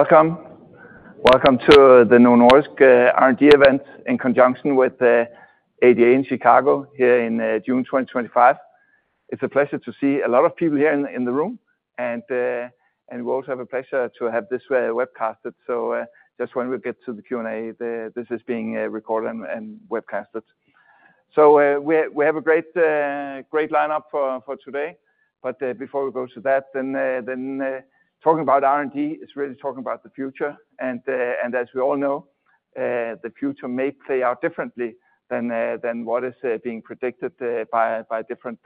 Welcome. Welcome to the Novo Nordisk R&D event in conjunction with ADA in Chicago here in June 2025. It's a pleasure to see a lot of people here in the room, and we also have a pleasure to have this webcasted. Just when we get to the Q&A, this is being recorded and webcasted. We have a great lineup for today. Before we go to that, talking about R&D is really talking about the future. As we all know, the future may play out differently than what is being predicted by different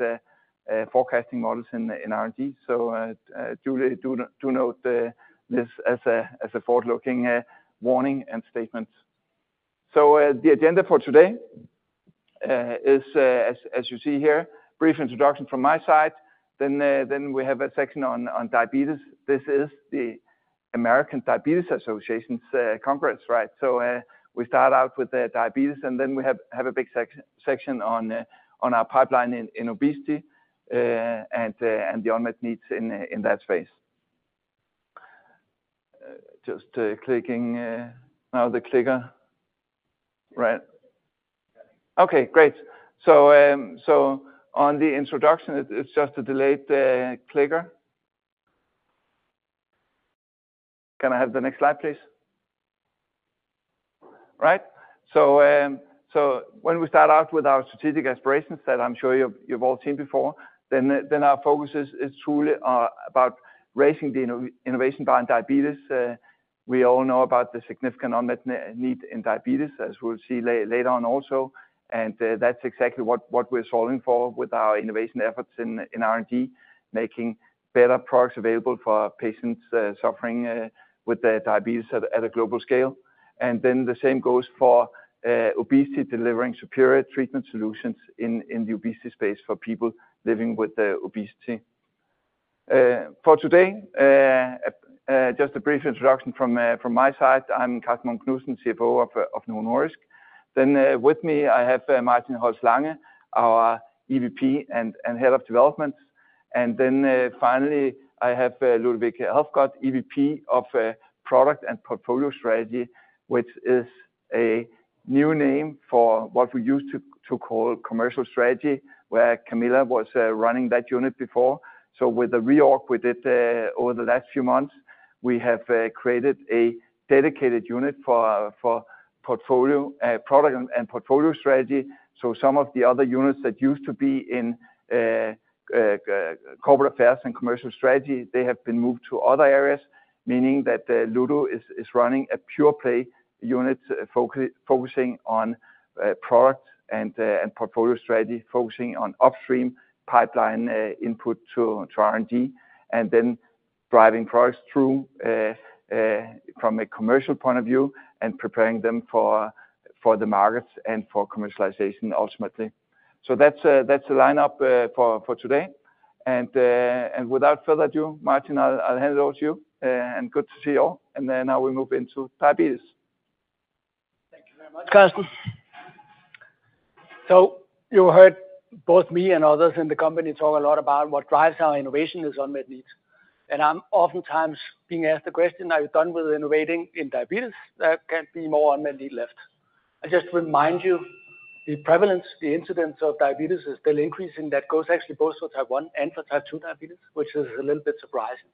forecasting models in R&D. Do note this as a forward-looking warning and statement. The agenda for today is, as you see here, a brief introduction from my side. Then we have a section on diabetes. This is the American Diabetes Association's conference, right? We start out with diabetes, and then we have a big section on our pipeline in obesity and the unmet needs in that space. Just clicking now the clicker, right? Okay, great. On the introduction, it's just a delayed clicker. Can I have the next slide, please? Right. When we start out with our strategic aspirations that I'm sure you've all seen before, our focus is truly about raising the innovation behind diabetes. We all know about the significant unmet need in diabetes, as we'll see later on also. That's exactly what we're solving for with our innovation efforts in R&D, making better products available for patients suffering with diabetes at a global scale. The same goes for obesity, delivering superior treatment solutions in the obesity space for people living with obesity. For today, just a brief introduction from my side. I'm Karsten Munk Knudsen, CFO of Novo Nordisk. With me, I have Martin Holst Lange, our EVP and Head of Development. Finally, I have Ludovic Helfgott, EVP of Product and Portfolio Strategy, which is a new name for what we used to call commercial strategy, where Camilla was running that unit before. With the reorg we did over the last few months, we have created a dedicated unit for product and portfolio strategy. Some of the other units that used to be in corporate affairs and commercial strategy have been moved to other areas, meaning that Ludo is running a pure play unit focusing on product and portfolio strategy, focusing on upstream pipeline input to R&D, and then driving products through from a commercial point of view and preparing them for the markets and for commercialization ultimately. That's the lineup for today. Without further ado, Martin, I'll hand it over to you. Good to see you all. Now we move into diabetes. Thank you very much, Karsten. You heard both me and others in the company talk a lot about what drives our innovation is unmet needs. I'm oftentimes being asked the question, are you done with innovating in diabetes? There can't be more unmet need left. I just remind you, the prevalence, the incidence of diabetes is still increasing. That goes actually both for type 1 and for type 2 diabetes, which is a little bit surprising.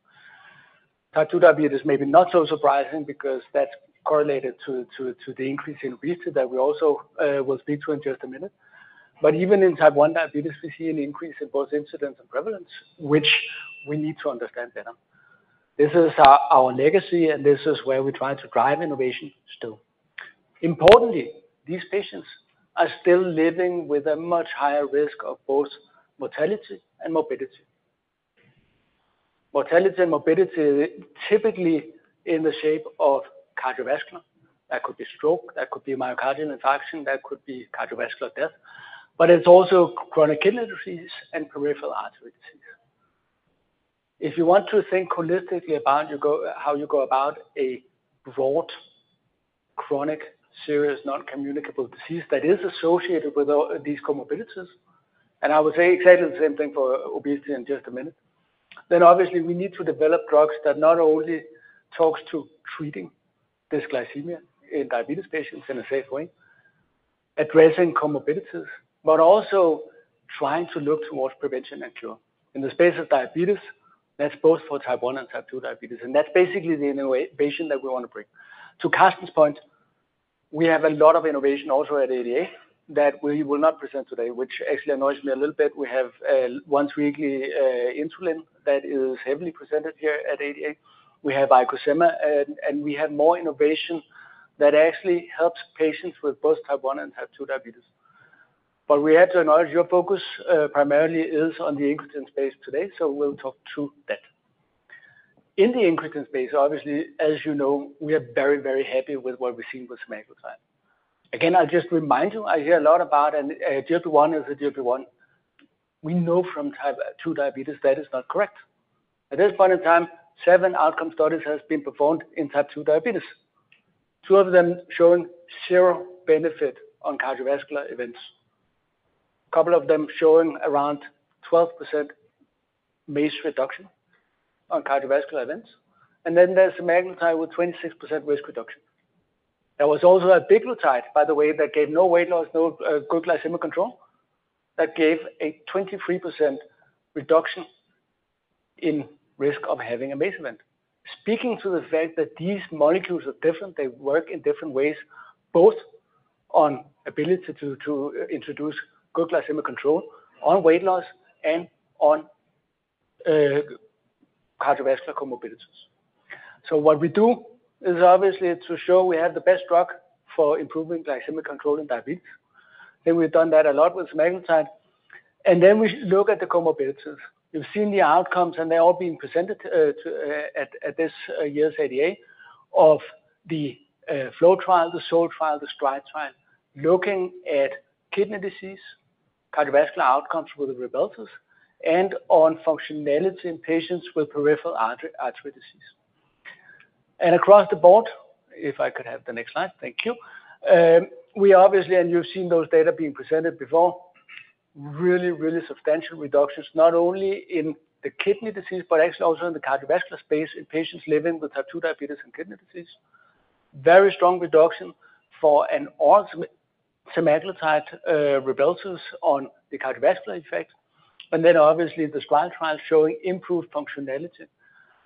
Type 2 diabetes may be not so surprising because that's correlated to the increase in obesity that we also will speak to in just a minute. Even in type 1 diabetes, we see an increase in both incidence and prevalence, which we need to understand better. This is our legacy, and this is where we try to drive innovation still. Importantly, these patients are still living with a much higher risk of both mortality and morbidity. Mortality and morbidity typically in the shape of cardiovascular. That could be stroke, that could be myocardial infarction, that could be cardiovascular death. It is also chronic kidney disease and peripheral artery disease. If you want to think holistically about how you go about a broad, chronic, serious, non-communicable disease that is associated with these comorbidities, and I will say exactly the same thing for obesity in just a minute, obviously we need to develop drugs that not only talk to treating dysglycemia in diabetes patients in a safe way, addressing comorbidities, but also trying to look towards prevention and cure. In the space of diabetes, that is both for type 1 and type 2 diabetes. That is basically the innovation that we want to bring. To Kasim's point, we have a lot of innovation also at ADA that we will not present today, which actually annoys me a little bit. We have once weekly insulin that is heavily presented here at ADA. We have Icosema, and we have more innovation that actually helps patients with both type 1 and type 2 diabetes. We had to acknowledge your focus primarily is on the increasing space today, so we'll talk to that. In the increasing space, obviously, as you know, we are very, very happy with what we've seen with Semaglutide. Again, I'll just remind you, I hear a lot about it, and GLP-1 is a GLP-1. We know from type 2 diabetes that is not correct. At this point in time, seven outcome studies have been performed in type 2 diabetes, two of them showing zero benefit on cardiovascular events, a couple of them showing around 12% MACE reduction on cardiovascular events, and then there's semaglutide with 26% risk reduction. There was also a big glutide, by the way, that gave no weight loss, no good glycemic control, that gave a 23% reduction in risk of having a MACE event. Speaking to the fact that these molecules are different, they work in different ways, both on ability to introduce good glycemic control, on weight loss, and on cardiovascular comorbidities. What we do is obviously to show we have the best drug for improving glycemic control in diabetes. We have done that a lot with Semaglutide. We look at the comorbidities. You've seen the outcomes, and they're all being presented at this year's ADA of the FLOW trial, the SOUL trial, the STRIDE trial, looking at kidney disease, cardiovascular outcomes with Rybelsus, and on functionality in patients with peripheral artery disease. Across the board, if I could have the next slide, thank you. We obviously, and you've seen those data being presented before, really, really substantial reductions, not only in the kidney disease, but actually also in the cardiovascular space in patients living with type 2 diabetes and kidney disease. Very strong reduction for oral semaglutide Rybelsus on the cardiovascular effect. Obviously the STRIDE trial showing improved functionality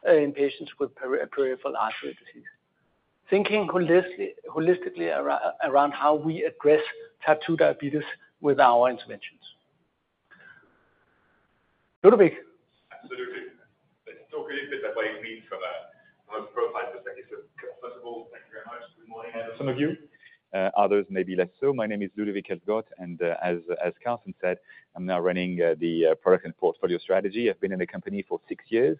in patients with peripheral artery disease. Thinking holistically around how we address type 2 diabetes with our interventions. Ludovic. Absolutely. It's so great that way you mean for that. From a profile perspective, so first of all, thank you very much. Good morning, some of you. Others maybe less so. My name is Ludovic Helfgott, and as Karsten said, I'm now running the product and portfolio strategy. I've been in the company for six years.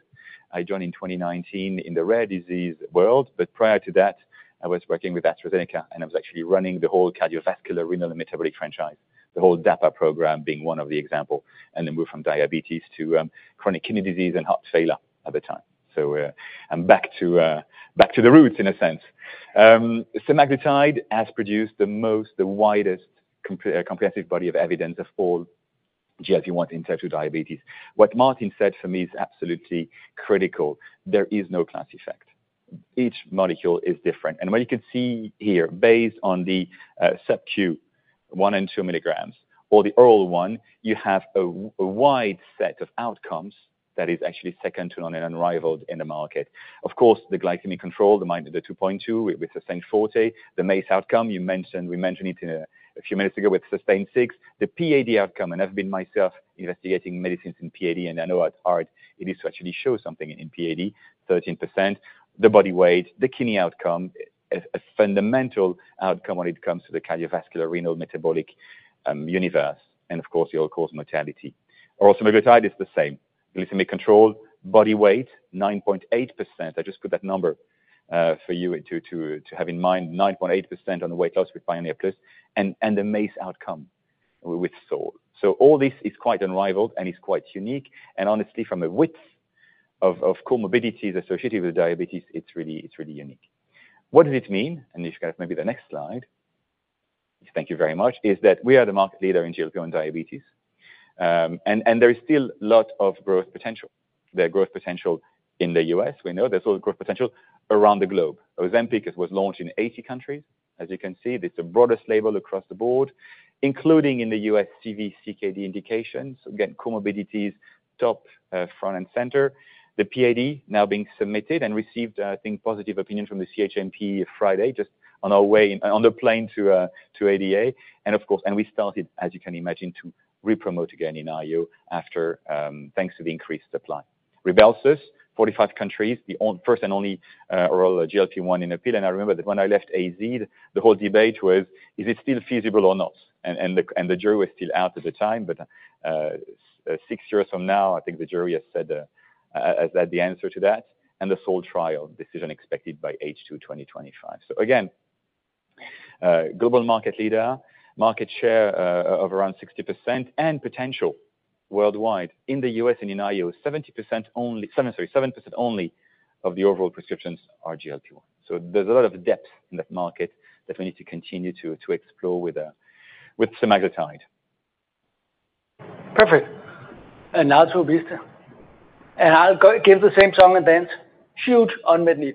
I joined in 2019 in the rare disease world, but prior to that, I was working with AstraZeneca, and I was actually running the whole cardiovascular, renal, and metabolic franchise, the whole DAPA program being one of the examples, and then moved from diabetes to chronic kidney disease and heart failure at the time. I am back to the roots in a sense. Semaglutide has produced the most, the widest comprehensive body of evidence of all GLP-1 in type 2 diabetes. What Martin said for me is absolutely critical. There is no class effect. Each molecule is different. What you can see here, based on the subQ, one and two milligrams, or the oral one, you have a wide set of outcomes that is actually second to none and unrivaled in the market. Of course, the glycemic control, the 2.2 with SUSTAIN FORTE, the MACE outcome, we mentioned it a few minutes ago with SUSTAIN 6, the PAD outcome, and I've been myself investigating medicines in PAD, and I know at heart it is to actually show something in PAD, 13%, the body weight, the kidney outcome, a fundamental outcome when it comes to the cardiovascular, renal, metabolic universe, and of course, the all-cause mortality. Oral semaglutide is the same. Glycemic control, body weight, 9.8%. I just put that number for you to have in mind, 9.8% on the weight loss with PIONEER PLUS, and the MACE outcome with SOUL. All this is quite unrivaled and is quite unique. Honestly, from a width of comorbidities associated with diabetes, it is really unique. What does it mean? You should have maybe the next slide. Thank you very much. We are the market leader in GLP-1 diabetes, and there is still a lot of growth potential. There is growth potential in the U.S. We know there is a lot of growth potential around the globe. Ozempic was launched in 80 countries. As you can see, it is the broadest label across the board, including in the U.S. CV, CKD indications. Again, comorbidities top front and center. The PAD now being submitted and received, I think, positive opinions from the CHMP Friday, just on our way, on the plane to ADA. Of course, we started, as you can imagine, to re-promote again in EU after thanks to the increased supply. Rybelsus, 45 countries, the first and only oral GLP-1 in a pill. I remember that when I left AZ, the whole debate was, is it still feasible or not? The jury was still out at the time. Six years from now, I think the jury has had the answer to that. The SOUL trial decision expected by H2 2025. Again, global market leader, market share of around 60% and potential worldwide. In the U.S. and in EU, 7% only of the overall prescriptions are GLP-1. There is a lot of depth in that market that we need to continue to explore with Semaglutide. Perfect. Now to obesity. I'll give the same song and dance. Huge unmet need.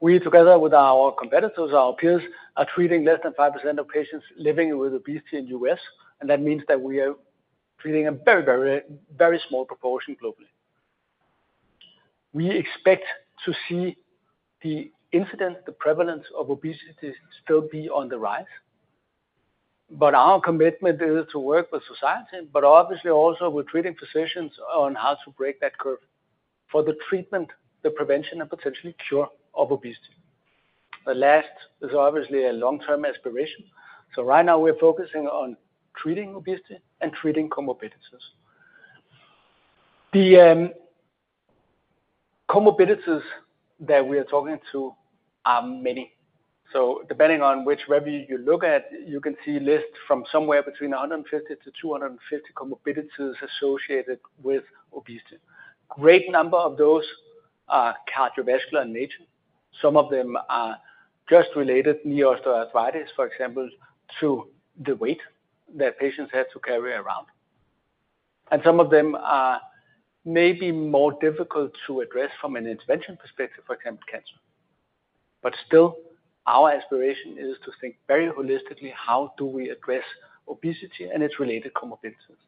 We, together with our competitors, our peers, are treating less than 5% of patients living with obesity in the U.S. That means we are treating a very, very, very small proportion globally. We expect to see the incidence, the prevalence of obesity still be on the rise. Our commitment is to work with society, but obviously also with treating physicians on how to break that curve for the treatment, the prevention, and potentially cure of obesity. The last is obviously a long-term aspiration. Right now we're focusing on treating obesity and treating comorbidities. The comorbidities that we are talking to are many. Depending on which review you look at, you can see lists from somewhere between 150-250 comorbidities associated with obesity. Great number of those are cardiovascular in nature. Some of them are just related, knee osteoarthritis, for example, to the weight that patients have to carry around. Some of them are maybe more difficult to address from an intervention perspective, for example, cancer. Still, our aspiration is to think very holistically, how do we address obesity and its related comorbidities?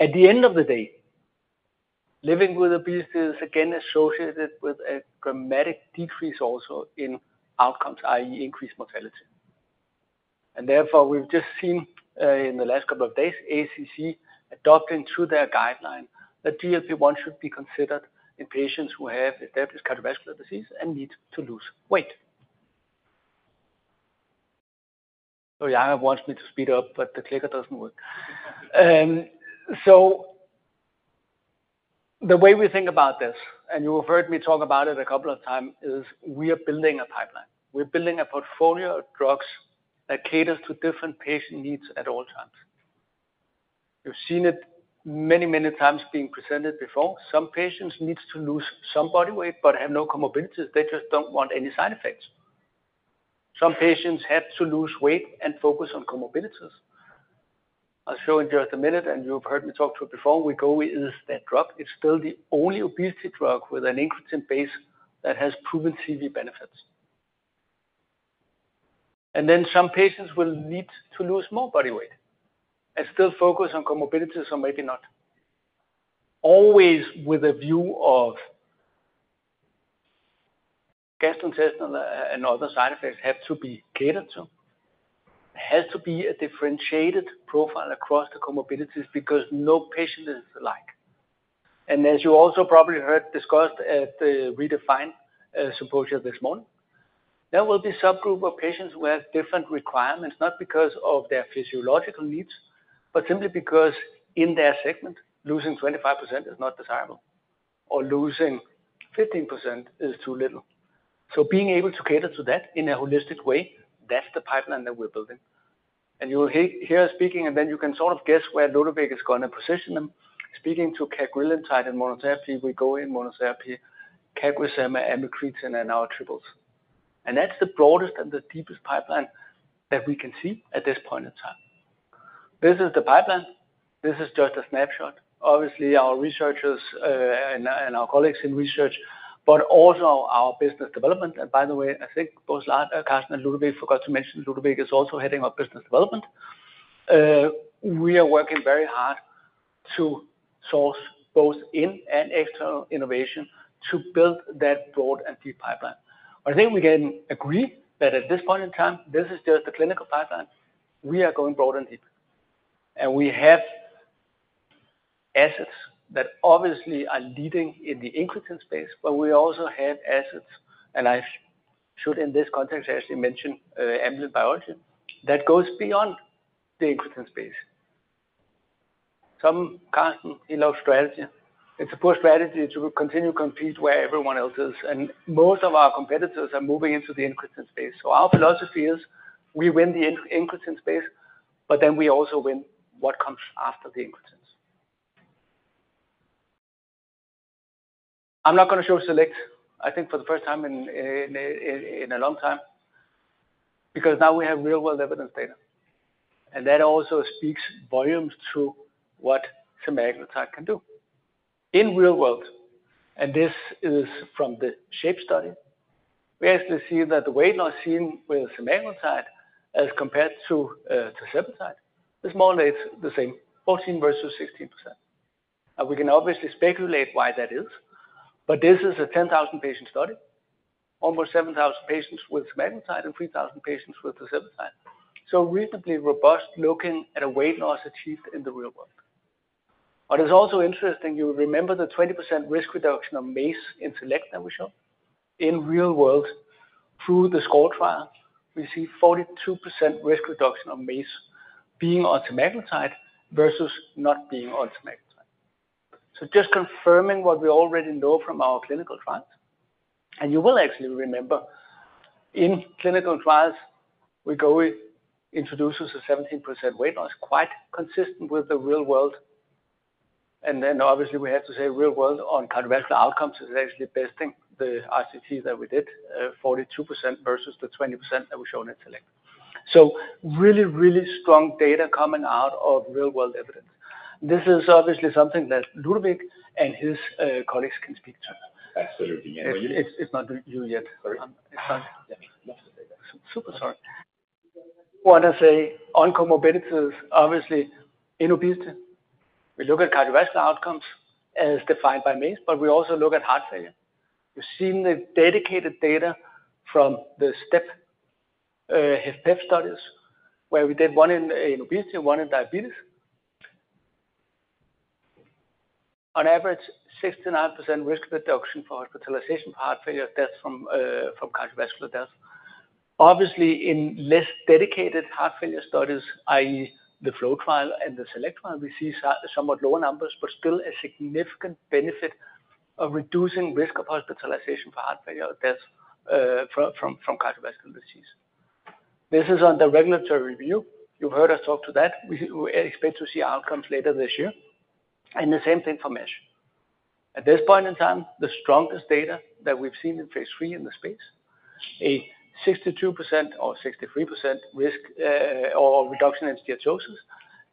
At the end of the day, living with obesity is again associated with a dramatic decrease also in outcomes, i.e., increased mortality. Therefore, we have just seen in the last couple of days, ACC adopting to their guideline that GLP-1 should be considered in patients who have established cardiovascular disease and need to lose weight. Yana wants me to speed up, but the clicker does not work. The way we think about this, and you've heard me talk about it a couple of times, is we are building a pipeline. We're building a portfolio of drugs that caters to different patient needs at all times. You've seen it many, many times being presented before. Some patients need to lose some body weight, but have no comorbidities. They just do not want any side effects. Some patients have to lose weight and focus on comorbidities. I'll show in just a minute, and you've heard me talk to it before. Wegovy is that drug. It's still the only obesity drug with an increasing base that has proven CV benefits. Then some patients will need to lose more body weight and still focus on comorbidities or maybe not. Always with a view of gastrointestinal and other side effects have to be catered to. It has to be a differentiated profile across the comorbidities because no patient is alike. As you also probably heard discussed at the ReDefine symposium this morning, there will be a subgroup of patients who have different requirements, not because of their physiological needs, but simply because in their segment, losing 25% is not desirable, or losing 15% is too little. Being able to cater to that in a holistic way, that's the pipeline that we're building. You'll hear us speaking, and then you can sort of guess where Ludovic is going to position them. Speaking to Cagrilintide monotherapy, Wegovy and monotherapy, CagriSema, amycretin, and our triples. That's the broadest and the deepest pipeline that we can see at this point in time. This is the pipeline. This is just a snapshot. Obviously, our researchers and our colleagues in research, but also our business development. By the way, I think both Lars, Kasim, and Ludovic forgot to mention, Ludovic is also heading up business development. We are working very hard to source both in and external innovation to build that broad and deep pipeline. I think we can agree that at this point in time, this is just the clinical pipeline. We are going broad and deep. We have assets that obviously are leading in the incretin space, but we also have assets, and I should in this context actually mention Ambient Biology, that goes beyond the incretin space. Kasim, he loves strategy. It is a poor strategy to continue competing where everyone else is, and most of our competitors are moving into the incretin space. Our philosophy is we win the incretin space, but then we also win what comes after the incretins. I'm not going to show SELECT, I think for the first time in a long time, because now we have real-world evidence data. That also speaks volumes to what semaglutide can do in real world. This is from the SHAPE study. We actually see that the weight loss seen with semaglutide as compared to tirzepatide is more or less the same, 14% versus 16%. We can obviously speculate why that is, but this is a 10,000-patient study, almost 7,000 patients with semaglutide and 3,000 patients with tirzepatide. Reasonably robust looking at a weight loss achieved in the real world. It is also interesting, you remember the 20% risk reduction of MACE in SELECT that we showed in real world through the SCORE trial, we see 42% risk reduction of MACE being on semaglutide versus not being on semaglutide. Just confirming what we already know from our clinical trials. You will actually remember in clinical trials, Wegovy introduces a 17% weight loss quite consistent with the real world. Obviously, we have to say real world on cardiovascular outcomes is actually besting the RCT that we did, 42% versus the 20% that we showed in SELECT. Really, really strong data coming out of real-world evidence. This is obviously something that Ludovic and his colleagues can speak to. Absolutely. It's not you yet. Sorry. Yeah, lots of data. Super sorry. I want to say on comorbidities, obviously in obesity, we look at cardiovascular outcomes as defined by MACE, but we also look at heart failure. You've seen the dedicated data from the STEP-HFpEF studies where we did one in obesity, one in diabetes. On average, 69% risk reduction for hospitalization for heart failure, death from cardiovascular death. Obviously, in less dedicated heart failure studies, i.e., the FLOW trial and the SELECT trial, we see somewhat lower numbers, but still a significant benefit of reducing risk of hospitalization for heart failure or death from cardiovascular disease. This is on the regulatory review. You've heard us talk to that. We expect to see outcomes later this year. The same thing for MACE. At this point in time, the strongest data that we've seen in phase III in the space, a 62% or 63% risk or reduction in steatosis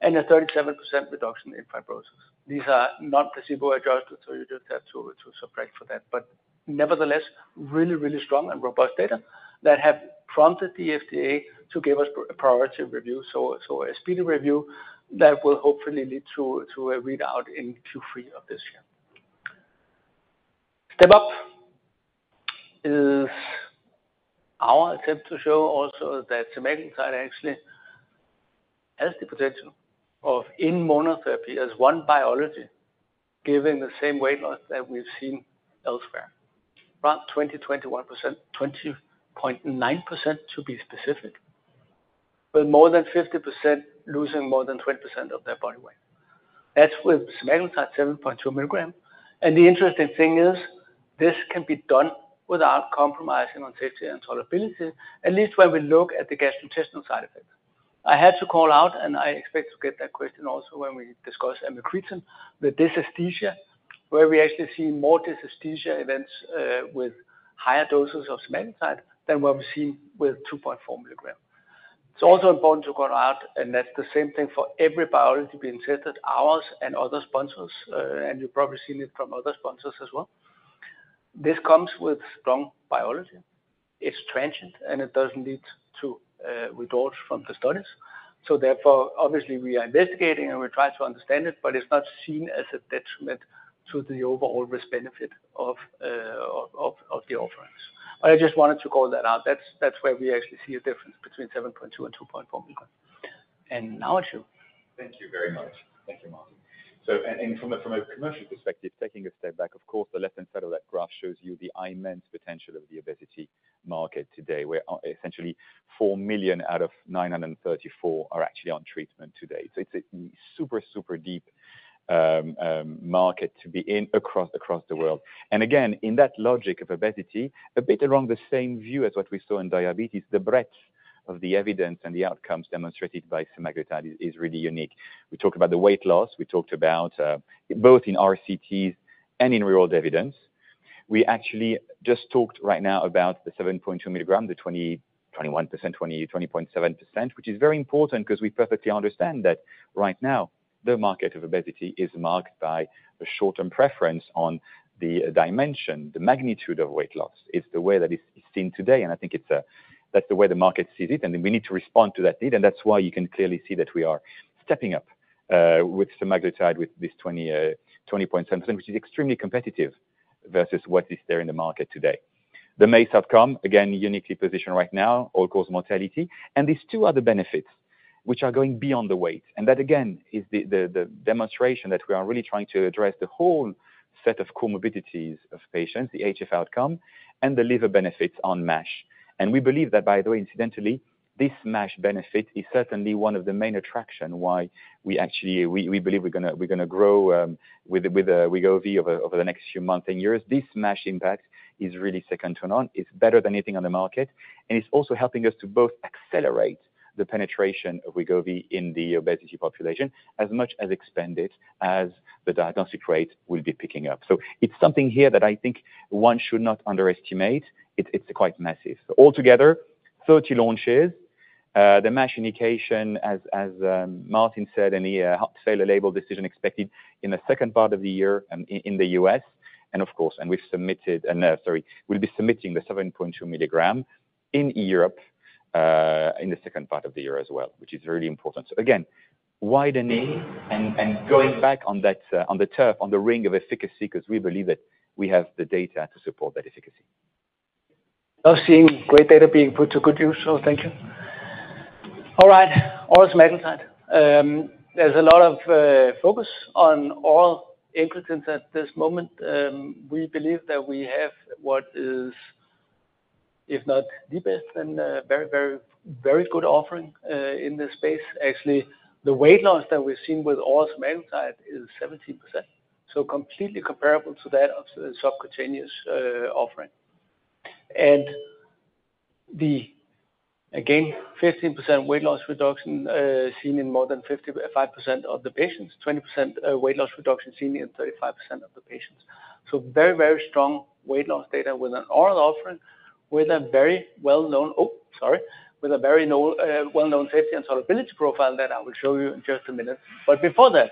and a 37% reduction in fibrosis. These are non-placebo adjusted, so you just have to subtract for that. Nevertheless, really, really strong and robust data that have prompted the FDA to give us a priority review. A speedy review that will hopefully lead to a readout in Q3 of this year. Step up is our attempt to show also that semaglutide actually has the potential of in monotherapy as one biology giving the same weight loss that we've seen elsewhere. Around 20%-21%, 20.9% to be specific, with more than 50% losing more than 20% of their body weight. That's with semaglutide 7.2 mg. The interesting thing is this can be done without compromising on safety and tolerability, at least when we look at the gastrointestinal side effects. I had to call out, and I expect to get that question also when we discuss amycretin, the dysesthesia where we actually see more dysesthesia events with higher doses of semaglutide than what we've seen with 2.4 mg. It is also important to call out, and that is the same thing for every biology being tested, ours and other sponsors, and you've probably seen it from other sponsors as well. This comes with strong biology. It is transient, and it does not lead to withdrawal from the studies. Therefore, obviously, we are investigating and we are trying to understand it, but it is not seen as a detriment to the overall risk-benefit of the offerings. I just wanted to call that out. That's where we actually see a difference between 7.2 mg and 2.4 mg. And now it's you. Thank you very much. Thank you, Martin. From a commercial perspective, taking a step back, of course, the left-hand side of that graph shows you the immense potential of the obesity market today, where essentially 4 million out of 934 are actually on treatment today. It is a super, super deep market to be in across the world. Again, in that logic of obesity, a bit along the same view as what we saw in diabetes, the breadth of the evidence and the outcomes demonstrated by semaglutide is really unique. We talked about the weight loss. We talked about both in RCTs and in real-world evidence. We actually just talked right now about the 7.2 mg, the 21%, 20.7%, which is very important because we perfectly understand that right now the market of obesity is marked by a short-term preference on the dimension, the magnitude of weight loss. It's the way that it's seen today. I think that's the way the market sees it. We need to respond to that need. That's why you can clearly see that we are stepping up with semaglutide with this 20.7%, which is extremely competitive versus what is there in the market today. The MACE outcome, again, uniquely positioned right now, all-cause mortality. These two are the benefits which are going beyond the weight. That, again, is the demonstration that we are really trying to address the whole set of comorbidities of patients, the HF outcome, and the liver benefits on MASH. We believe that, by the way, incidentally, this MASH benefit is certainly one of the main attractions why we actually believe we're going to grow with Wegovy over the next few months and years. This MASH impact is really second to none. It's better than anything on the market. It's also helping us to both accelerate the penetration of Wegovy in the obesity population as much as expand it as the diagnostic rate will be picking up. It's something here that I think one should not underestimate. It's quite massive. Altogether, 30 launches. The MASH indication, as Martin said, any heart failure label decision expected in the second part of the year in the U.S. Of course, we've submitted, and sorry, we'll be submitting the 7.2 mg in Europe in the second part of the year as well, which is really important. Again, widening and going back on the turf, on the ring of efficacy, because we believe that we have the data to support that efficacy. I've seen great data being put to good use. Thank you. All right, oral semaglutide. There's a lot of focus on oral increases at this moment. We believe that we have what is, if not the best, then very, very, very good offering in this space. Actually, the weight loss that we've seen with oral semaglutide is 17%. Completely comparable to that of the subcutaneous offering. Again, 15% weight loss reduction seen in more than 55% of the patients, 20% weight loss reduction seen in 35% of the patients. Very, very strong weight loss data with an oral offering with a very well-known, oh, sorry, with a very well-known safety and tolerability profile that I will show you in just a minute. Before that,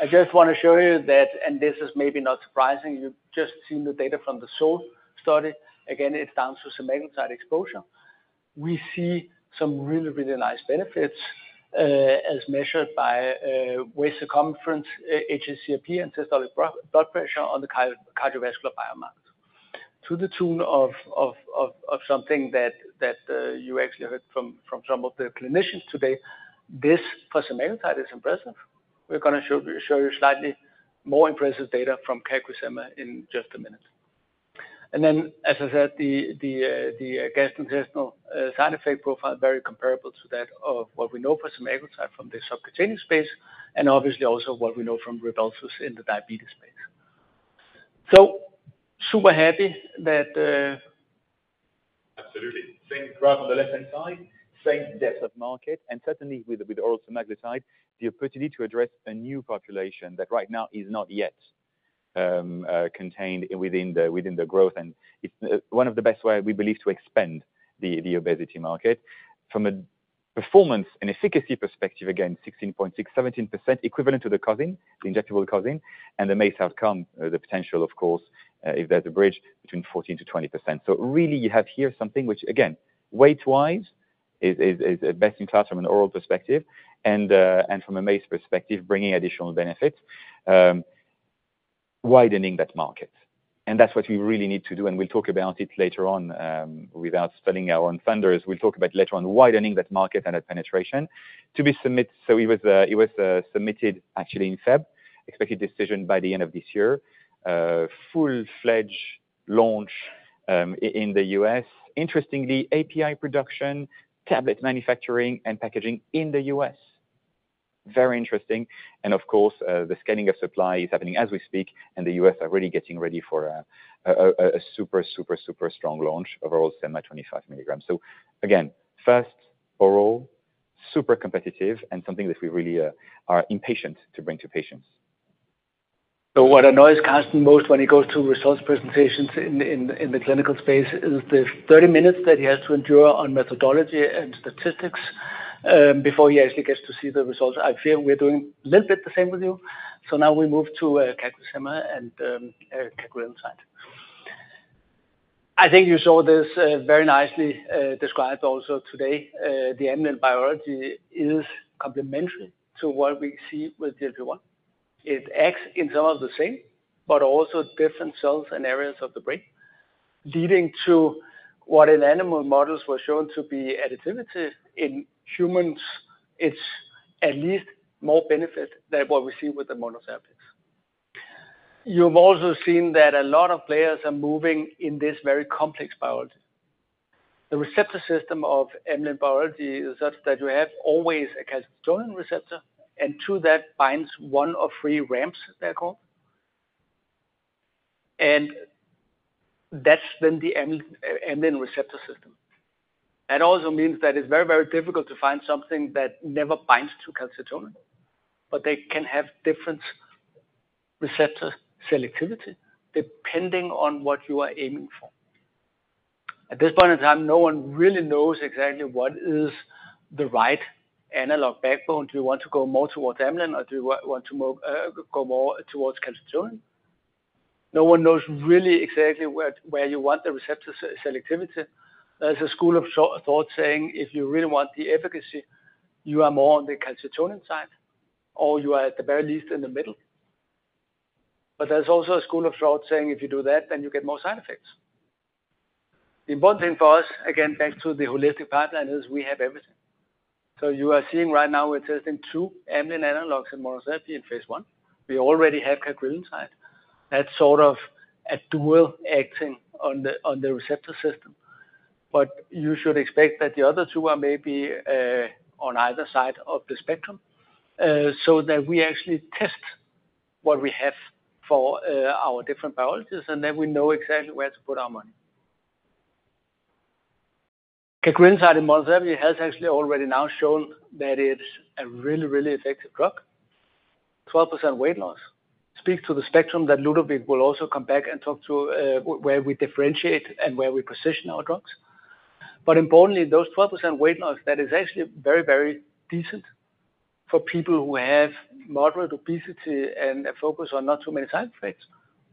I just want to show you that, and this is maybe not surprising, you've just seen the data from the SOUL study. Again, it's down to semaglutide exposure. We see some really, really nice benefits as measured by waist circumference, HSCRP, and systolic blood pressure on the cardiovascular biomarkers. To the tune of something that you actually heard from some of the clinicians today, this for semaglutide is impressive. We're going to show you slightly more impressive data from CagriSema in just a minute. As I said, the gastrointestinal side effect profile is very comparable to that of what we know for semaglutide from the subcutaneous space, and obviously also what we know from Rybelsus in the diabetes space. Super happy that. Absolutely. Same graph on the left-hand side, same depth of market. Certainly with oral semaglutide, the opportunity to address a new population that right now is not yet contained within the growth. It is one of the best ways we believe to expand the obesity market. From a performance and efficacy perspective, again, 16.6%, 17% equivalent to the cousin, the injectable cousin, and the MACE outcome, the potential, of course, if there is a bridge between 14%-20%. You have here something which, again, weight-wise is best in class from an oral perspective. From a MACE perspective, bringing additional benefits, widening that market. That is what we really need to do. We will talk about it later on without spending our own thunders. We will talk about it later on, widening that market and that penetration. To be submitted, so it was submitted actually in Feb, expected decision by the end of this year, full-fledged launch in the U.S. Interestingly, API production, tablet manufacturing, and packaging in the U.S. Very interesting. Of course, the scaling of supply is happening as we speak, and the U.S. are really getting ready for a super, super, super strong launch of oral semaglutide 25 mg. Again, first, oral, super competitive, and something that we really are impatient to bring to patients. What annoys Karsten most when he goes to results presentations in the clinical space is the 30 minutes that he has to endure on methodology and statistics before he actually gets to see the results. I feel we're doing a little bit the same with you. Now we move to CagriSema and CagriL Insight. I think you saw this very nicely described also today. The amylin biology is complementary to what we see with GLP-1. It acts in some of the same, but also different cells and areas of the brain, leading to what in animal models were shown to be additivity. In humans, it's at least more benefit than what we see with the monotherapies. You've also seen that a lot of players are moving in this very complex biology. The receptor system of amylin biology is such that you have always a calcitonin receptor, and to that binds one or three RAMPs, they're called. And that's then the amylin receptor system. That also means that it's very, very difficult to find something that never binds to calcitonin, but they can have different receptor selectivity depending on what you are aiming for. At this point in time, no one really knows exactly what is the right analog backbone. Do you want to go more towards amylin or do you want to go more towards calcitonin? No one knows really exactly where you want the receptor selectivity. There's a school of thought saying if you really want the efficacy, you are more on the calcitonin side or you are at the very least in the middle. There is also a school of thought saying if you do that, then you get more side effects. The important thing for us, again, back to the holistic pipeline is we have everything. You are seeing right now we're testing two amylin analogs in monotherapy in phase one. We already have CagriSema. That's sort of a dual acting on the receptor system. You should expect that the other two are maybe on either side of the spectrum so that we actually test what we have for our different biologies and then we know exactly where to put our money. Cagrilintide in monotherapy has actually already now shown that it's a really, really effective drug. 12% weight loss speaks to the spectrum that Ludovic will also come back and talk to where we differentiate and where we position our drugs. Importantly, those 12% weight loss, that is actually very, very decent for people who have moderate obesity and a focus on not too many side effects.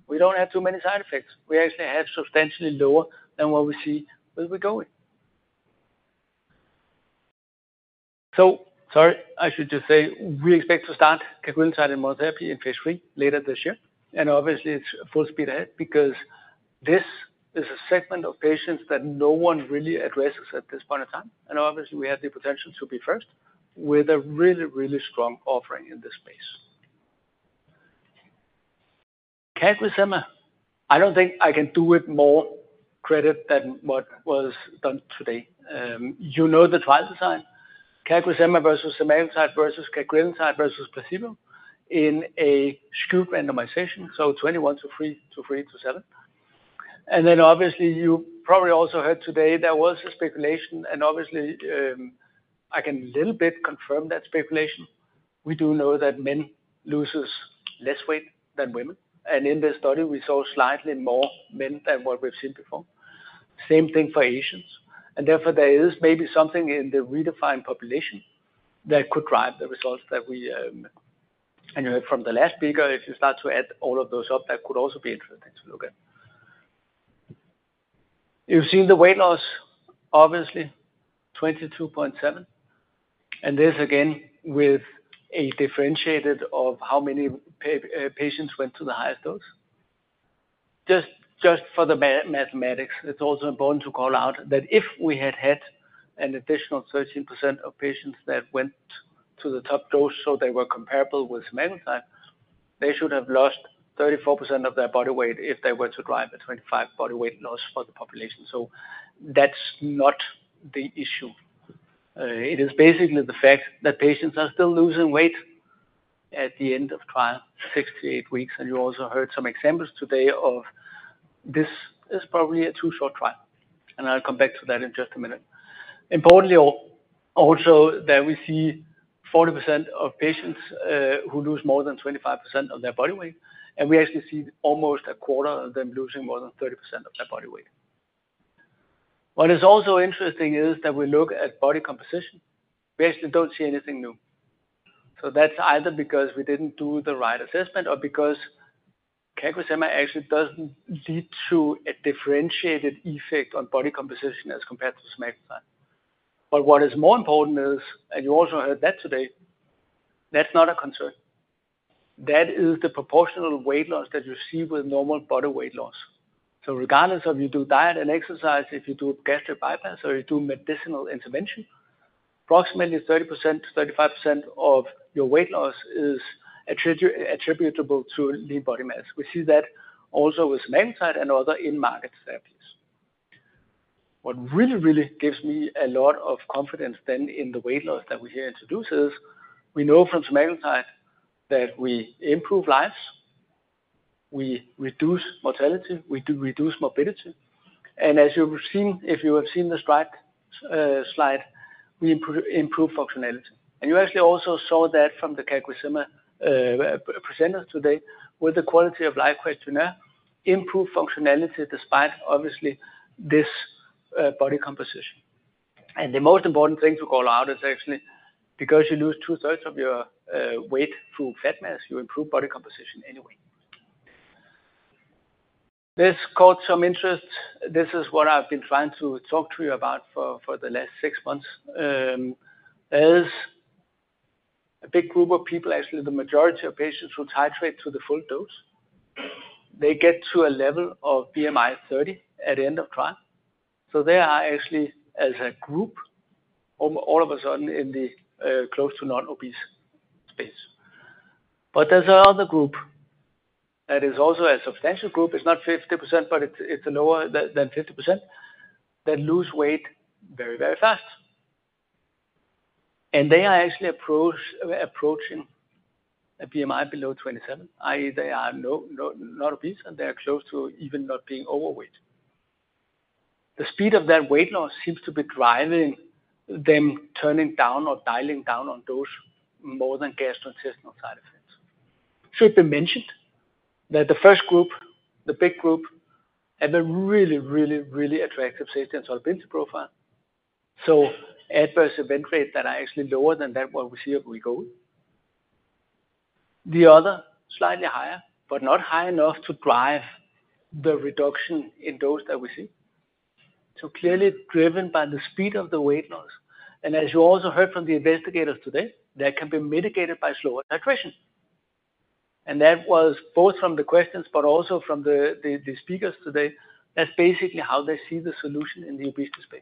We do not have too many side effects. We actually have substantially lower than what we see with Wegovy. Sorry, I should just say we expect to start Cagrilintide in monotherapy in phase three later this year. Obviously, it is full speed ahead because this is a segment of patients that no one really addresses at this point in time. Obviously, we have the potential to be first with a really, really strong offering in this space. CagriSema, I do not think I can do it more credit than what was done today. You know the trial design, CagriSema versus semaglutide versus cagrilintide versus placebo in a skewed randomization, so 21 to 3 to 3 to 7. Obviously, you probably also heard today there was a speculation. Obviously, I can a little bit confirm that speculation. We do know that men loses less weight than women. In this study, we saw slightly more men than what we've seen before. Same thing for Asians. Therefore, there is maybe something in the ReDefine population that could drive the results that we. You know from the last figure, if you start to add all of those up, that could also be interesting to look at. You've seen the weight loss, obviously, 22.7%. This again with a differentiated of how many patients went to the highest dose. Just for the mathematics, it's also important to call out that if we had had an additional 13% of patients that went to the top dose, so they were comparable with semaglutide, they should have lost 34% of their body weight if they were to drive a 25% body weight loss for the population. That is not the issue. It is basically the fact that patients are still losing weight at the end of trial, 68 weeks. You also heard some examples today of this is probably a too short trial. I'll come back to that in just a minute. Importantly also that we see 40% of patients who lose more than 25% of their body weight. We actually see almost a quarter of them losing more than 30% of their body weight. What is also interesting is that we look at body composition. We actually don't see anything new. That's either because we didn't do the right assessment or because CagriSema actually doesn't lead to a differentiated effect on body composition as compared to semaglutide. What is more important is, and you also heard that today, that's not a concern. That is the proportional weight loss that you see with normal body weight loss. Regardless of if you do diet and exercise, if you do gastric bypass or you do medicinal intervention, approximately 30%-35% of your weight loss is attributable to lean body mass. We see that also with Semaglutide and other in-market therapies. What really, really gives me a lot of confidence then in the weight loss that we here introduced is we know from Semaglutide that we improve lives. We reduce mortality. We reduce morbidity. As you have seen, if you have seen the striped slide, we improve functionality. You actually also saw that from the CagriSema presenters today with the quality of life questionnaire, improved functionality despite obviously this body composition. The most important thing to call out is actually because you lose 2/3 of your weight through fat mass, you improve body composition anyway. This caught some interest. This is what I have been trying to talk to you about for the last six months. There is a big group of people, actually the majority of patients who titrate to the full dose. They get to a level of BMI 30 at the end of trial. They are actually as a group, all of a sudden in the close to non-obese space. There is another group that is also a substantial group. It's not 50%, but it's lower than 50% that lose weight very, very fast. They are actually approaching a BMI below 27, i.e., they are not obese and they are close to even not being overweight. The speed of that weight loss seems to be driving them turning down or dialing down on dose more than gastrointestinal side effects. It should be mentioned that the first group, the big group, have a really, really, really attractive safety and tolerability profile. So adverse event rate that are actually lower than what we see at Wegovy. The other slightly higher, but not high enough to drive the reduction in dose that we see. Clearly driven by the speed of the weight loss. As you also heard from the investigators today, that can be mitigated by slower titration. That was both from the questions, but also from the speakers today. That is basically how they see the solution in the obesity space.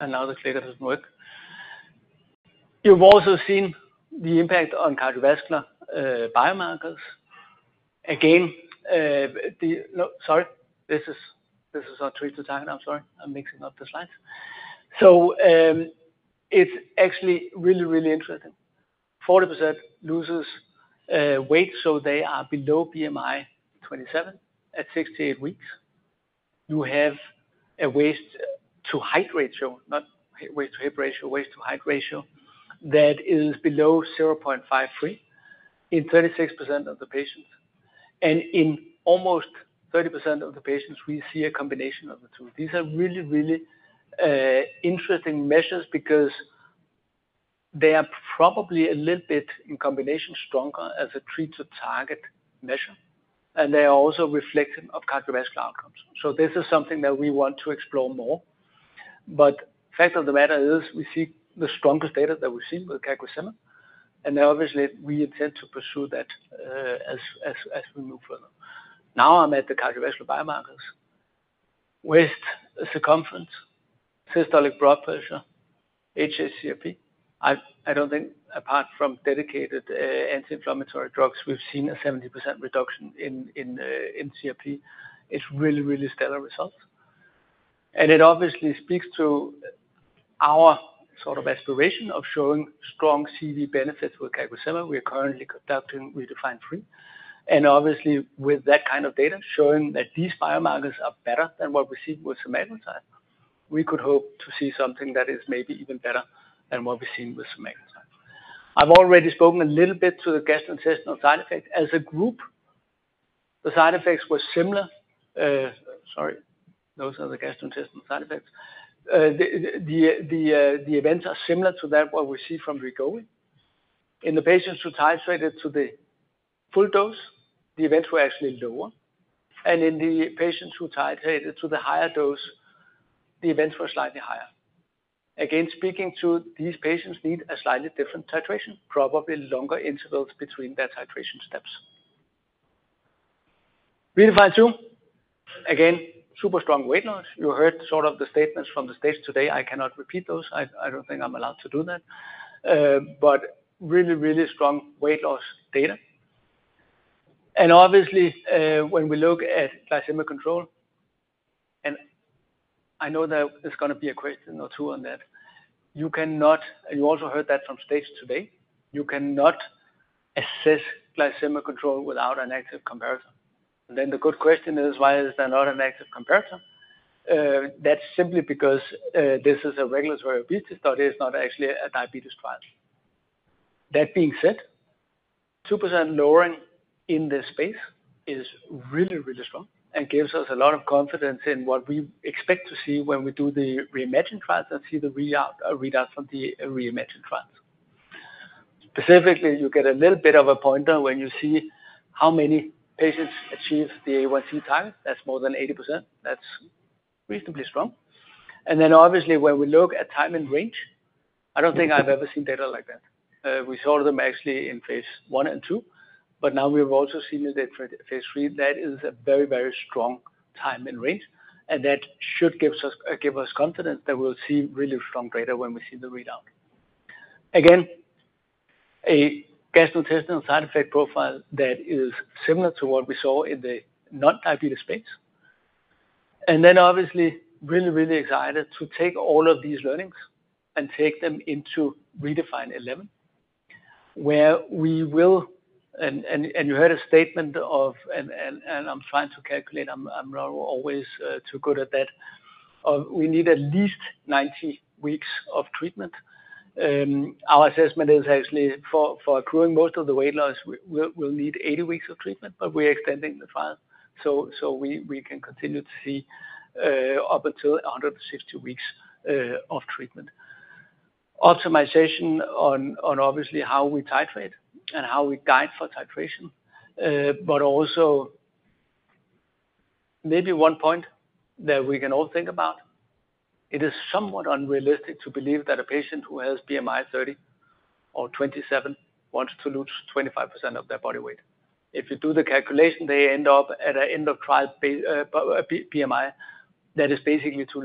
Another clicker does not work. You have also seen the impact on cardiovascular biomarkers. Again, sorry, this is not treated time. I am sorry, I am mixing up the slides. It is actually really, really interesting. 40% loses weight, so they are below BMI 27 at 68 weeks. You have a waist-to-height ratio that is below 0.53 in 36% of the patients. In almost 30% of the patients, we see a combination of the two. These are really, really interesting measures because they are probably a little bit in combination stronger as a treat-to-target measure. They are also reflective of cardiovascular outcomes. This is something that we want to explore more. The fact of the matter is we see the strongest data that we've seen with CagriSema. Obviously, we intend to pursue that as we move further. Now I'm at the cardiovascular biomarkers, waist circumference, systolic blood pressure, HSCRP. I don't think apart from dedicated anti-inflammatory drugs, we've seen a 70% reduction in CRP. It's really, really stellar results. It obviously speaks to our sort of aspiration of showing strong CV benefits with CagriSema. We are currently conducting ReDefine 3. Obviously, with that kind of data showing that these biomarkers are better than what we see with semaglutide, we could hope to see something that is maybe even better than what we've seen with semaglutide. I've already spoken a little bit to the gastrointestinal side effects. As a group, the side effects were similar. Sorry, those are the gastrointestinal side effects. The events are similar to that what we see from Wegovy. In the patients who titrated to the full dose, the events were actually lower. In the patients who titrated to the higher dose, the events were slightly higher. Again, speaking to these patients need a slightly different titration, probably longer intervals between their titration steps. ReDefine 2, again, super strong weight loss. You heard sort of the statements from the stage today. I cannot repeat those. I do not think I am allowed to do that. Really, really strong weight loss data. Obviously, when we look at glycemic control, and I know that there is going to be a question or two on that, you cannot, and you also heard that from stage today, you cannot assess glycemic control without an active comparison. The good question is, why is there not an active comparison? That's simply because this is a regulatory obesity study, it's not actually a diabetes trial. That being said, 2% lowering in this space is really, really strong and gives us a lot of confidence in what we expect to see when we do the REIMAGINE trials and see the readout from the REIMAGINE trials. Specifically, you get a little bit of a pointer when you see how many patients achieve the A1C target. That's more than 80%. That's reasonably strong. Obviously, when we look at time in range, I don't think I've ever seen data like that. We saw them actually in phase I and II, but now we've also seen it in phase III. That is a very, very strong time in range. That should give us confidence that we'll see really strong data when we see the readout. Again, a gastrointestinal side effect profile that is similar to what we saw in the non-diabetes space. Obviously, really, really excited to take all of these learnings and take them into ReDefine 11, where we will, and you heard a statement of, and I'm trying to calculate, I'm not always too good at that, of we need at least 90 weeks of treatment. Our assessment is actually for accruing most of the weight loss, we'll need 80 weeks of treatment, but we're extending the file. We can continue to see up until 150 weeks of treatment. Optimization on obviously how we titrate and how we guide for titration, but also maybe one point that we can all think about. It is somewhat unrealistic to believe that a patient who has BMI 30 or 27 wants to lose 25% of their body weight. If you do the calculation, they end up at an end-of-trial BMI that is basically too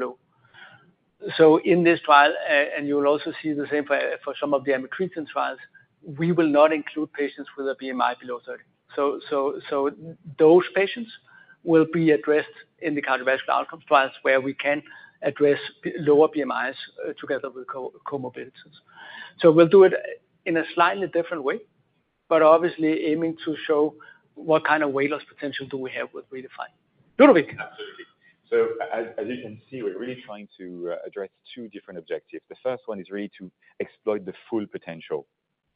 low. In this trial, and you'll also see the same for some of the CagriSema trials, we will not include patients with a BMI below 30. Those patients will be addressed in the cardiovascular outcomes trials where we can address lower BMIs together with comorbidities. We'll do it in a slightly different way, obviously aiming to show what kind of weight loss potential we have with ReDefine. Good or weak? Absolutely. As you can see, we're really trying to address two different objectives. The first one is really to exploit the full potential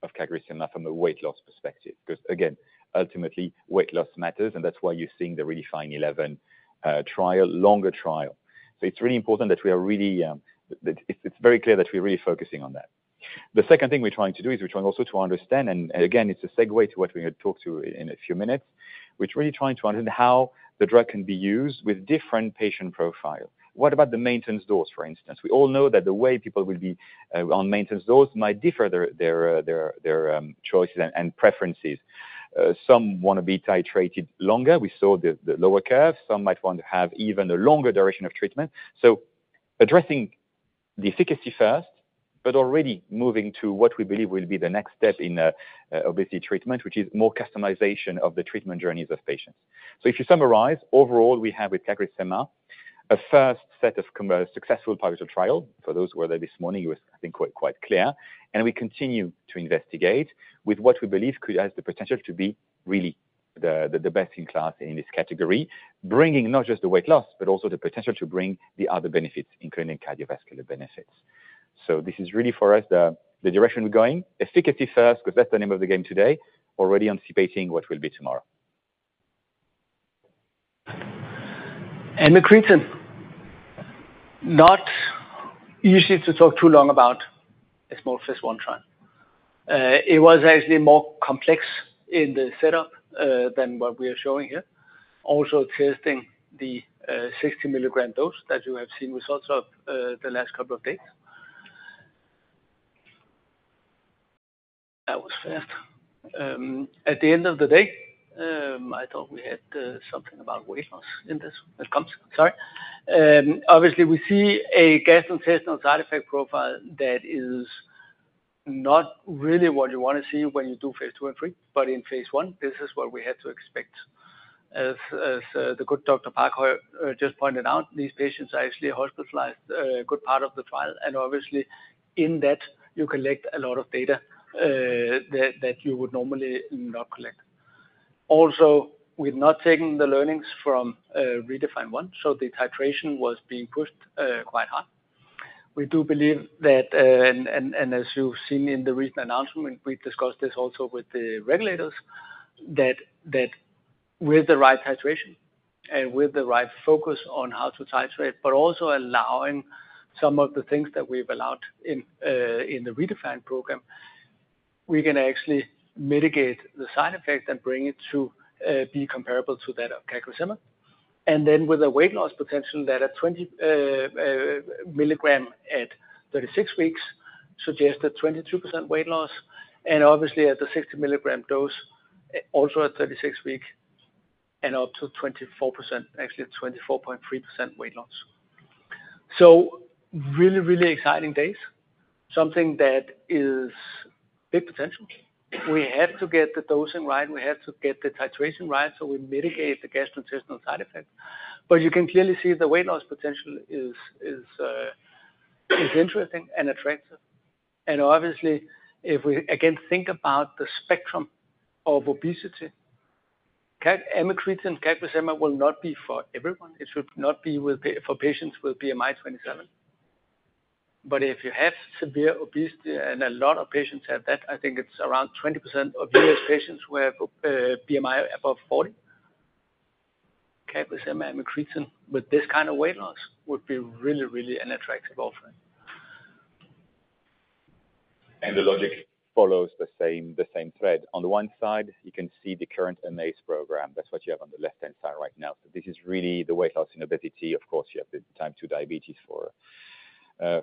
of CagriSema from a weight loss perspective. Because again, ultimately, weight loss matters. That's why you're seeing the ReDefine 11 trial, longer trial. It is really important that we are really, it is very clear that we are really focusing on that. The second thing we are trying to do is we are trying also to understand, and again, it is a segue to what we are going to talk to in a few minutes, we are really trying to understand how the drug can be used with different patient profiles. What about the maintenance dose, for instance? We all know that the way people will be on maintenance dose might differ, their choices and preferences. Some want to be titrated longer. We saw the lower curve. Some might want to have even a longer duration of treatment. Addressing the efficacy first, but already moving to what we believe will be the next step in obesity treatment, which is more customization of the treatment journeys of patients. If you summarize, overall, we have with CagriSema a first set of successful pilot trials for those who were there this morning. It was, I think, quite clear. We continue to investigate with what we believe has the potential to be really the best in class in this category, bringing not just the weight loss, but also the potential to bring the other benefits, including cardiovascular benefits. This is really for us the direction we're going, efficacy first, because that's the name of the game today, already anticipating what will be tomorrow. Amycretin, not usually to talk too long about a small phase one trial. It was actually more complex in the setup than what we are showing here. Also testing the 60 mg dose that you have seen results of the last couple of days. That was fast. At the end of the day, I thought we had something about weight loss and this comes up. Sorry. Obviously, we see a gastrointestinal side effect profile that is not really what you want to see when you do phase II and III, but in phase I, this is what we had to expect. As the good Dr. Park just pointed out, these patients are actually hospitalized a good part of the trial. Obviously, in that, you collect a lot of data that you would normally not collect. Also, we're now taking the learnings from ReDefine 1. The titration was being pushed quite hard. We do believe that, and as you've seen in the recent announcement, we discussed this also with the regulators, that with the right titration and with the right focus on how to titrate, but also allowing some of the things that we've allowed in the ReDefine program, we can actually mitigate the side effects and bring it to be comparable to that of CagriSema. With the weight loss potential that at 20 mg at 36 weeks suggested 22% weight loss. At the 60 mg dose, also at 36 weeks and up to 24%, actually 24.3% weight loss. Really, really exciting days. Something that is big potential. We have to get the dosing right. We have to get the titration right so we mitigate the gastrointestinal side effect. You can clearly see the weight loss potential is interesting and attractive. Obviously, if we again think about the spectrum of obesity, amycretin, CagriSema will not be for everyone. It should not be for patients with BMI 27. If you have severe obesity and a lot of patients have that, I think it's around 20% of U.S. patients who have BMI above 40. CagriSema, amycretin with this kind of weight loss would be really, really an attractive offering. The logic follows the same thread. On the one side, you can see the current MACE program. That's what you have on the left-hand side right now. This is really the weight loss in obesity. Of course, you have the type 2 diabetes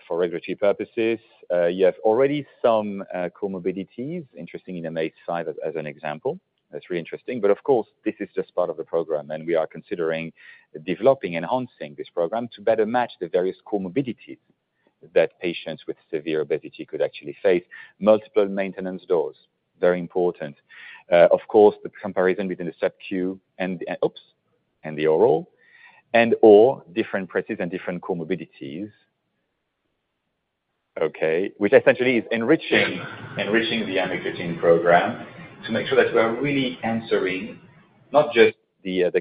for regulatory purposes. You have already some comorbidities interesting in MACE 5 as an example. That's really interesting. Of course, this is just part of the program. We are considering developing and enhancing this program to better match the various comorbidities that patients with severe obesity could actually face. Multiple maintenance dose, very important. Of course, the comparison between the subQ and the OPS and the oral and/or different presses and different comorbidities, which essentially is enriching the amycretin program to make sure that we're really answering not just the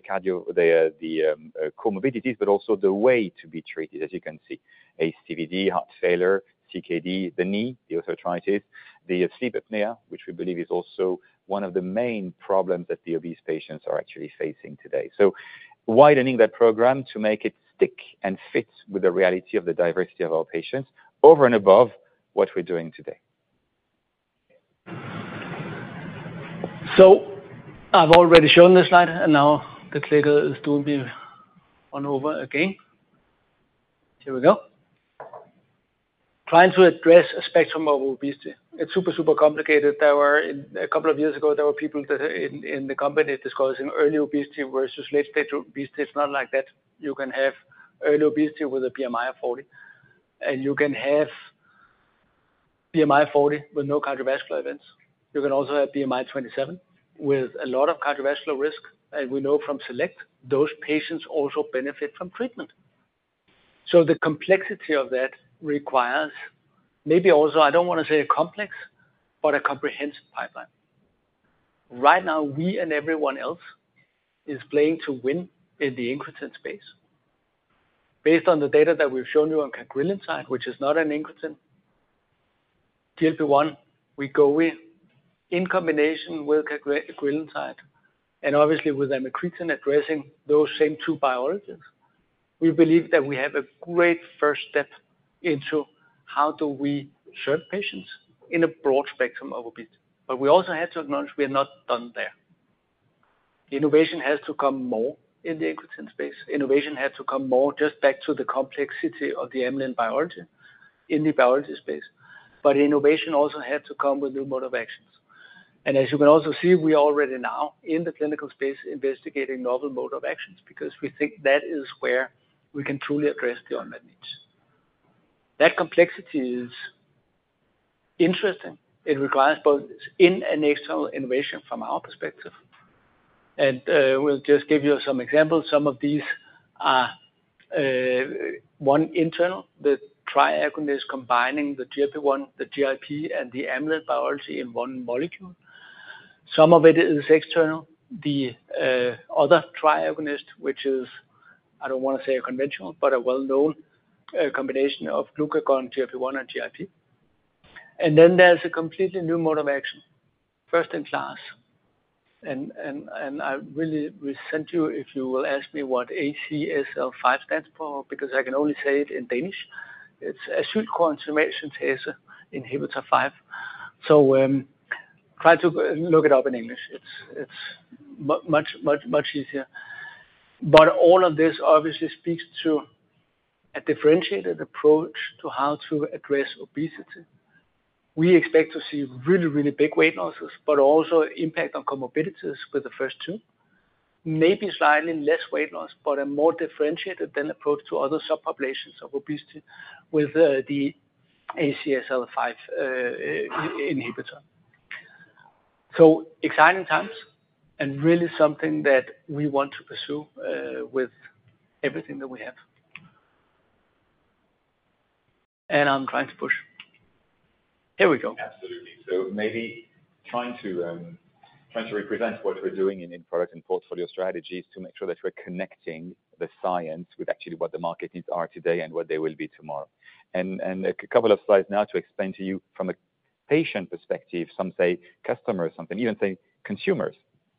comorbidities, but also the way to be treated, as you can see, ASCVD, heart failure, CKD, the knee, the osteoarthritis, the sleep apnea, which we believe is also one of the main problems that the obese patients are actually facing today. Widening that program to make it stick and fit with the reality of the diversity of our patients over and above what we're doing today. I've already shown the slide. Now the clicker is doing me one over again. Here we go. Trying to address a spectrum of obesity. It's super, super complicated. A couple of years ago, there were people in the company discussing early obesity versus late stage obesity. It's not like that. You can have early obesity with a BMI of 40. You can have BMI 40 with no cardiovascular events. You can also have BMI 27 with a lot of cardiovascular risk. We know from SELECT, those patients also benefit from treatment. The complexity of that requires maybe also, I don't want to say a complex, but a comprehensive pipeline. Right now, we and everyone else is playing to win in the incretin space. Based on the data that we've shown you on cagrilintide, which is not an incretin, GLP-1, Wegovy in combination with cagrilintide, and obviously with amycretin addressing those same two biologies, we believe that we have a great first step into how do we serve patients in a broad spectrum of obesity. We also have to acknowledge we are not done there. Innovation has to come more in the incretin space. Innovation had to come more just back to the complexity of the amylin biology in the biology space. Innovation also had to come with new mode of actions. As you can also see, we are already now in the clinical space investigating novel mode of actions because we think that is where we can truly address the unmet needs. That complexity is interesting. It requires both in and external innovation from our perspective. We will just give you some examples. Some of these are one internal. The triagonist combining the GLP-1, the GIP, and the amylin biology in one molecule. Some of it is external. The other triagonist, which is, I do not want to say a conventional, but a well-known combination of glucagon, GLP-1, and GIP. There is a completely new mode of action, first in class. I really resent you if you will ask me what ACSL 5 stands for, because I can only say it in Danish. It is acetylcoenzyme synthase, inhibitor 5. Try to look it up in English. It is much, much, much easier. All of this obviously speaks to a differentiated approach to how to address obesity. We expect to see really, really big weight losses, but also impact on comorbidities with the first two. Maybe slightly less weight loss, but a more differentiated then approach to other subpopulations of obesity with the ACSL 5 inhibitor. Exciting times and really something that we want to pursue with everything that we have. I'm trying to push. Here we go. Absolutely. Maybe trying to represent what we're doing in product and portfolio strategies to make sure that we're connecting the science with actually what the market needs are today and what they will be tomorrow. A couple of slides now to explain to you from a patient perspective, some say customers, some even say consumers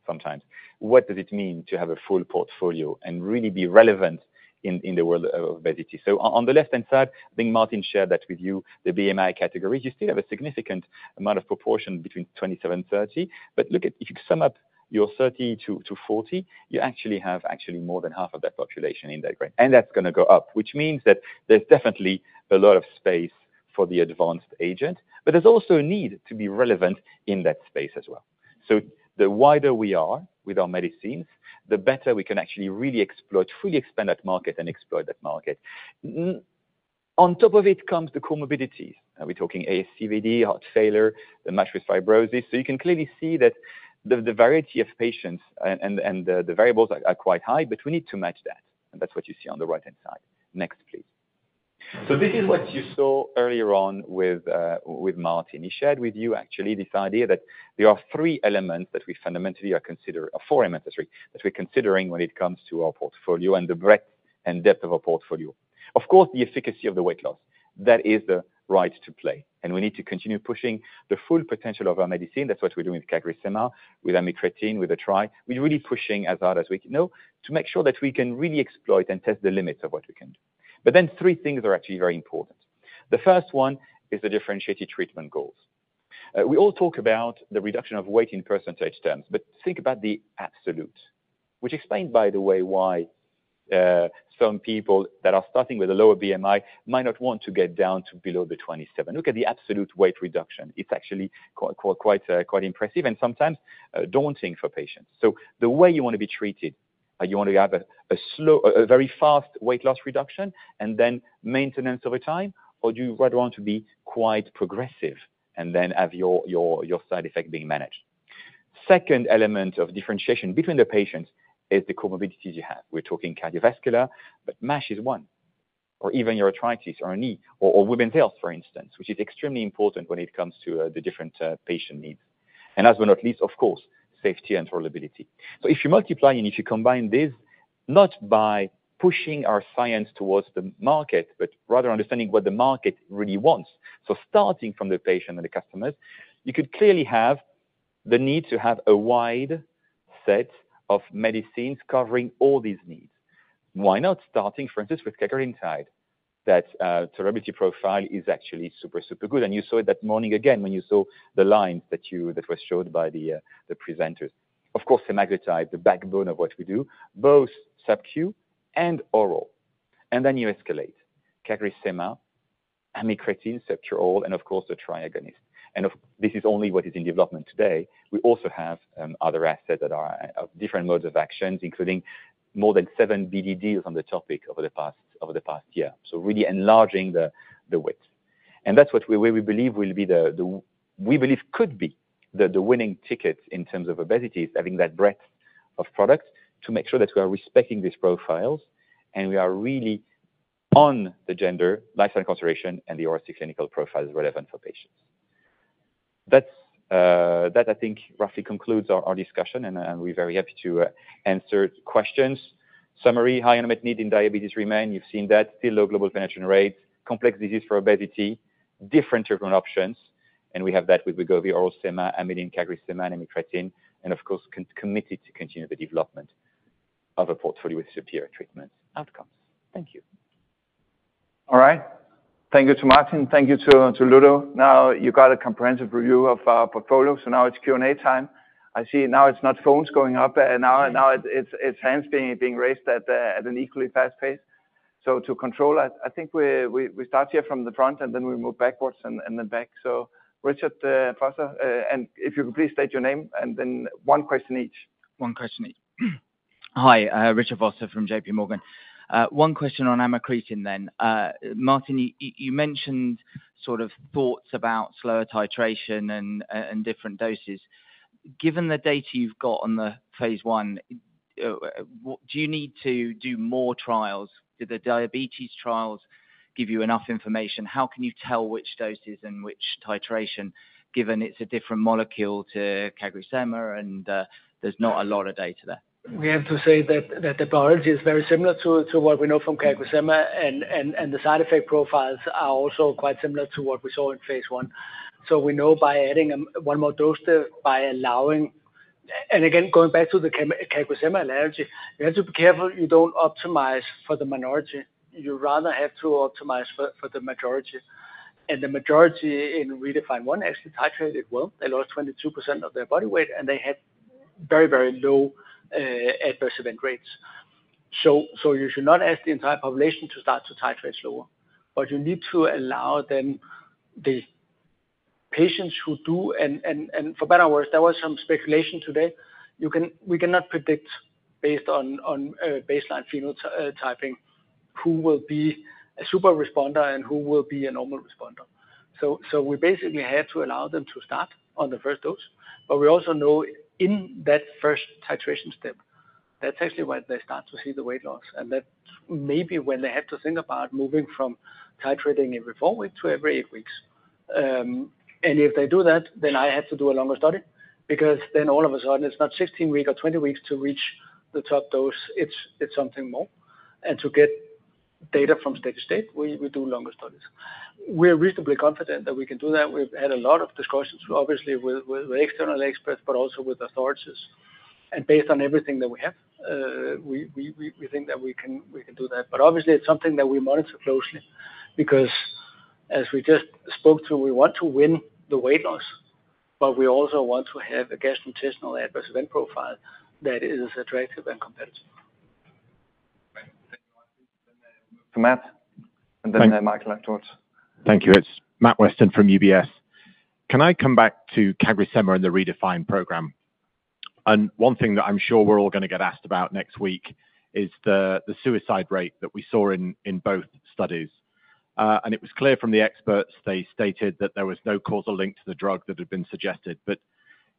sometimes. What does it mean to have a full portfolio and really be relevant in the world of obesity? On the left-hand side, I think Martin shared that with you, the BMI categories. You still have a significant amount of proportion between 27 and 30. Look, if you sum up your 30-40, you actually have more than half of that population in that grade. That is going to go up, which means that there is definitely a lot of space for the advanced agent. There is also a need to be relevant in that space as well. The wider we are with our medicines, the better we can actually really exploit, fully expand that market and exploit that market. On top of it comes the comorbidities. Are we talking ASCVD, heart failure, the MASH fibrosis? You can clearly see that the variety of patients and the variables are quite high, but we need to match that. That is what you see on the right-hand side. Next, please. This is what you saw earlier on with Martin. He shared with you actually this idea that there are three elements that we fundamentally are considering, or four elements, sorry, that we're considering when it comes to our portfolio and the breadth and depth of our portfolio. Of course, the efficacy of the weight loss. That is the right to play. And we need to continue pushing the full potential of our medicine. That's what we're doing with CagriSema, with amycretin, with the trial. We're really pushing as hard as we can know to make sure that we can really exploit and test the limits of what we can do. But then three things are actually very important. The first one is the differentiated treatment goals. We all talk about the reduction of weight in percentage terms, but think about the absolute, which explains, by the way, why some people that are starting with a lower BMI might not want to get down to below the 27. Look at the absolute weight reduction. It's actually quite impressive and sometimes daunting for patients. The way you want to be treated, you want to have a very fast weight loss reduction and then maintenance over time, or do you rather want to be quite progressive and then have your side effect being managed? Second element of differentiation between the patients is the comorbidities you have. We're talking cardiovascular, but MASH is one, or even your arthritis or a knee or women's health, for instance, which is extremely important when it comes to the different patient needs. Last but not least, of course, safety and reliability. If you multiply and if you combine this, not by pushing our science towards the market, but rather understanding what the market really wants. Starting from the patient and the customers, you could clearly have the need to have a wide set of medicines covering all these needs. Why not starting, for instance, with Cagril Insight? That tolerability profile is actually super, super good. You saw it that morning again when you saw the lines that were showed by the presenters. Of course, semaglutide, the backbone of what we do, both subQ and oral. Then you escalate. CagriSema, amycretin, subQ, oral, and of course, the triagonist. This is only what is in development today. We also have other assets that are of different modes of actions, including more than seven BDDs on the topic over the past year. Really enlarging the width. That is what we believe will be the, we believe could be the winning ticket in terms of obesity, is having that breadth of products to make sure that we are respecting these profiles and we are really on the gender, lifestyle consideration, and the oral clinical profiles relevant for patients. That, I think, roughly concludes our discussion. We are very happy to answer questions. Summary, high unmet need in diabetes remains. You have seen that. Still low global penetration rates. Complex disease for obesity. Different treatment options. We have that with Wegovy, oral sema, amylin, CagriSema, and amitriptyline. Of course, committed to continue the development of a portfolio with superior treatment outcomes. Thank you. All right. Thank you to Martin. Thank you to Ludo. Now you got a comprehensive review of our portfolio. Now it is Q&A time. I see now it is not phones going up. Now it's hands being raised at an equally fast pace. To control, I think we start here from the front and then we move backwards and then back. Richard Vosser, and if you could please state your name. And then one question each. One question each. Hi, Richard Vosser from JPMorgan. One question on amycretin. Martin, you mentioned sort of thoughts about slower titration and different doses. Given the data you've got on the phase one, do you need to do more trials? Did the diabetes trials give you enough information? How can you tell which doses and which titration, given it's a different molecule to CagriSema and there's not a lot of data there? We have to say that the biology is very similar to what we know from CagriSema. The side effect profiles are also quite similar to what we saw in phase I. We know by adding one more dose by allowing, and again, going back to the CagriSema analogy, you have to be careful you do not optimize for the minority. You rather have to optimize for the majority. The majority in ReDefine 1 actually titrated well. They lost 22% of their body weight, and they had very, very low adverse event rates. You should not ask the entire population to start to titrate slower, but you need to allow the patients who do, and for better or worse, there was some speculation today. We cannot predict based on baseline phenotyping who will be a super responder and who will be a normal responder. We basically had to allow them to start on the first dose. We also know in that first titration step, that's actually when they start to see the weight loss. That's maybe when they had to think about moving from titrating every four weeks to every eight weeks. If they do that, then I had to do a longer study because then all of a sudden, it's not 16 weeks or 20 weeks to reach the top dose. It's something more. To get data from state to state, we do longer studies. We're reasonably confident that we can do that. We've had a lot of discussions, obviously, with external experts, but also with authorities. Based on everything that we have, we think that we can do that. Obviously, it's something that we monitor closely because, as we just spoke to, we want to win the weight loss, but we also want to have a gastrointestinal adverse event profile that is attractive and competitive. Thank you, Martin. Matt, and then Michael afterwards. Thank you. It's Matt Weston from UBS. Can I come back to CagriSema and the ReDefine program? One thing that I'm sure we're all going to get asked about next week is the suicide rate that we saw in both studies. It was clear from the experts. They stated that there was no causal link to the drug that had been suggested.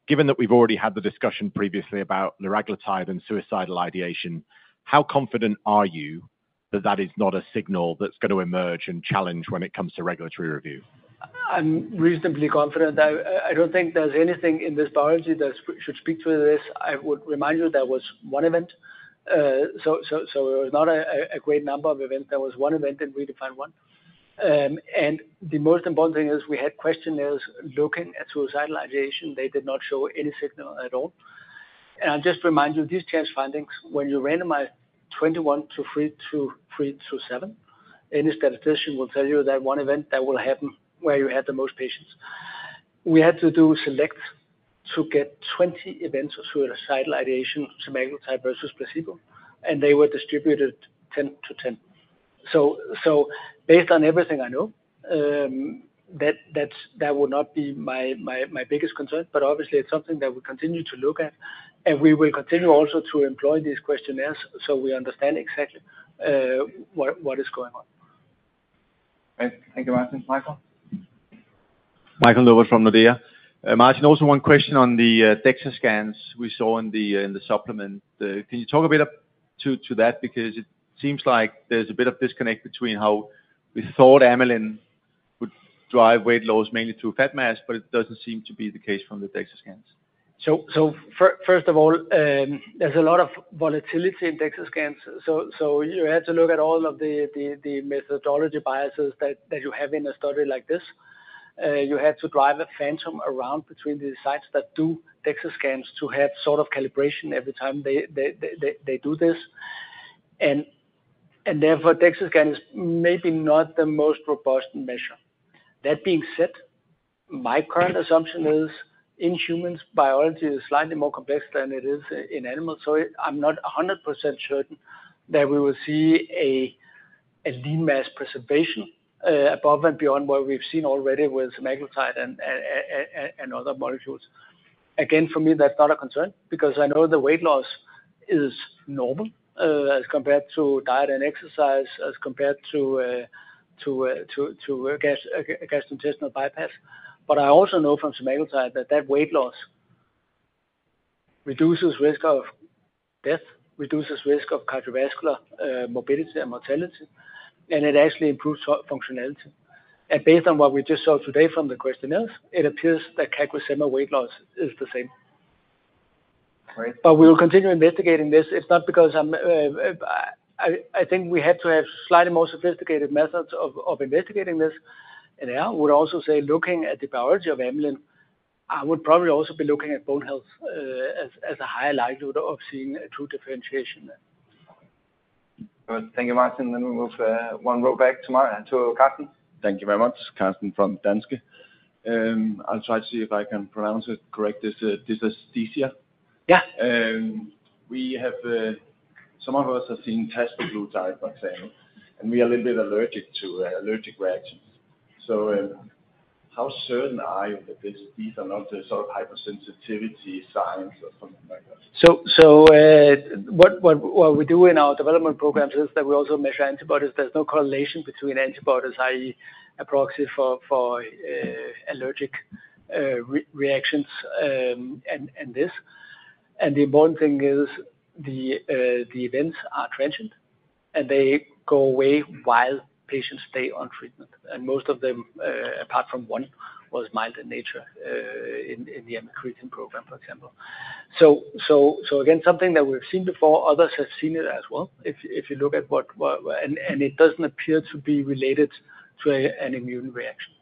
Given that we've already had the discussion previously about liraglutide and suicidal ideation, how confident are you that that is not a signal that's going to emerge and challenge when it comes to regulatory review? I'm reasonably confident. I don't think there's anything in this biology that should speak to this. I would remind you there was one event. It was not a great number of events. There was one event in ReDefine 1. The most important thing is we had questionnaires looking at suicidal ideation. They did not show any signal at all. I will just remind you these chance findings, when you randomize 21 to 3 through 7, any statistician will tell you that one event will happen where you had the most patients. We had to do select to get 20 events of suicidal ideation, semaglutide versus placebo. They were distributed 10 to 10. Based on everything I know, that would not be my biggest concern. Obviously, it is something that we continue to look at. We will continue also to employ these questionnaires so we understand exactly what is going on. Thank you, Martin. Michael. Michael Novod from Nordea. Martin, also one question on the DEXA scans we saw in the supplement. Can you talk a bit to that? Because it seems like there's a bit of disconnect between how we thought amylin would drive weight loss mainly through fat mass, but it doesn't seem to be the case from the DEXA scans. First of all, there's a lot of volatility in DEXA scans. You have to look at all of the methodology biases that you have in a study like this. You have to drive a phantom around between the sites that do DEXA scans to have sort of calibration every time they do this. Therefore, DEXA scan is maybe not the most robust measure. That being said, my current assumption is in humans, biology is slightly more complex than it is in animals. So I'm not 100% certain that we will see a lean mass preservation above and beyond what we've seen already with semaglutide and other molecules. Again, for me, that's not a concern because I know the weight loss is normal as compared to diet and exercise, as compared to gastrointestinal bypass. I also know from Semaglutide that that weight loss reduces risk of death, reduces risk of cardiovascular morbidity and mortality, and it actually improves functionality. Based on what we just saw today from the questionnaires, it appears that CagriSema weight loss is the same. We will continue investigating this. It's not because I think we have to have slightly more sophisticated methods of investigating this. I would also say looking at the biology of amylin, I would probably also be looking at bone health as a higher likelihood of seeing true differentiation. Good. Thank you, Martin. We will move one row back to Carsten. Thank you very much, Carsten from Danske. I'll try to see if I can pronounce it correctly. This is DCIA. Yeah. Some of us have seen tests for glutathione and we are a little bit allergic to allergic reactions. How certain are you that these are not the sort of hypersensitivity signs or something like that? What we do in our development programs is that we also measure antibodies. There is no correlation between antibodies, i.e., approximate for allergic reactions, and this. The important thing is the events are transient and they go away while patients stay on treatment. Most of them, apart from one, were mild in nature in the amycretin program, for example. Again, something that we have seen before, others have seen it as well. If you look at what, and it does not appear to be related to an immune reaction.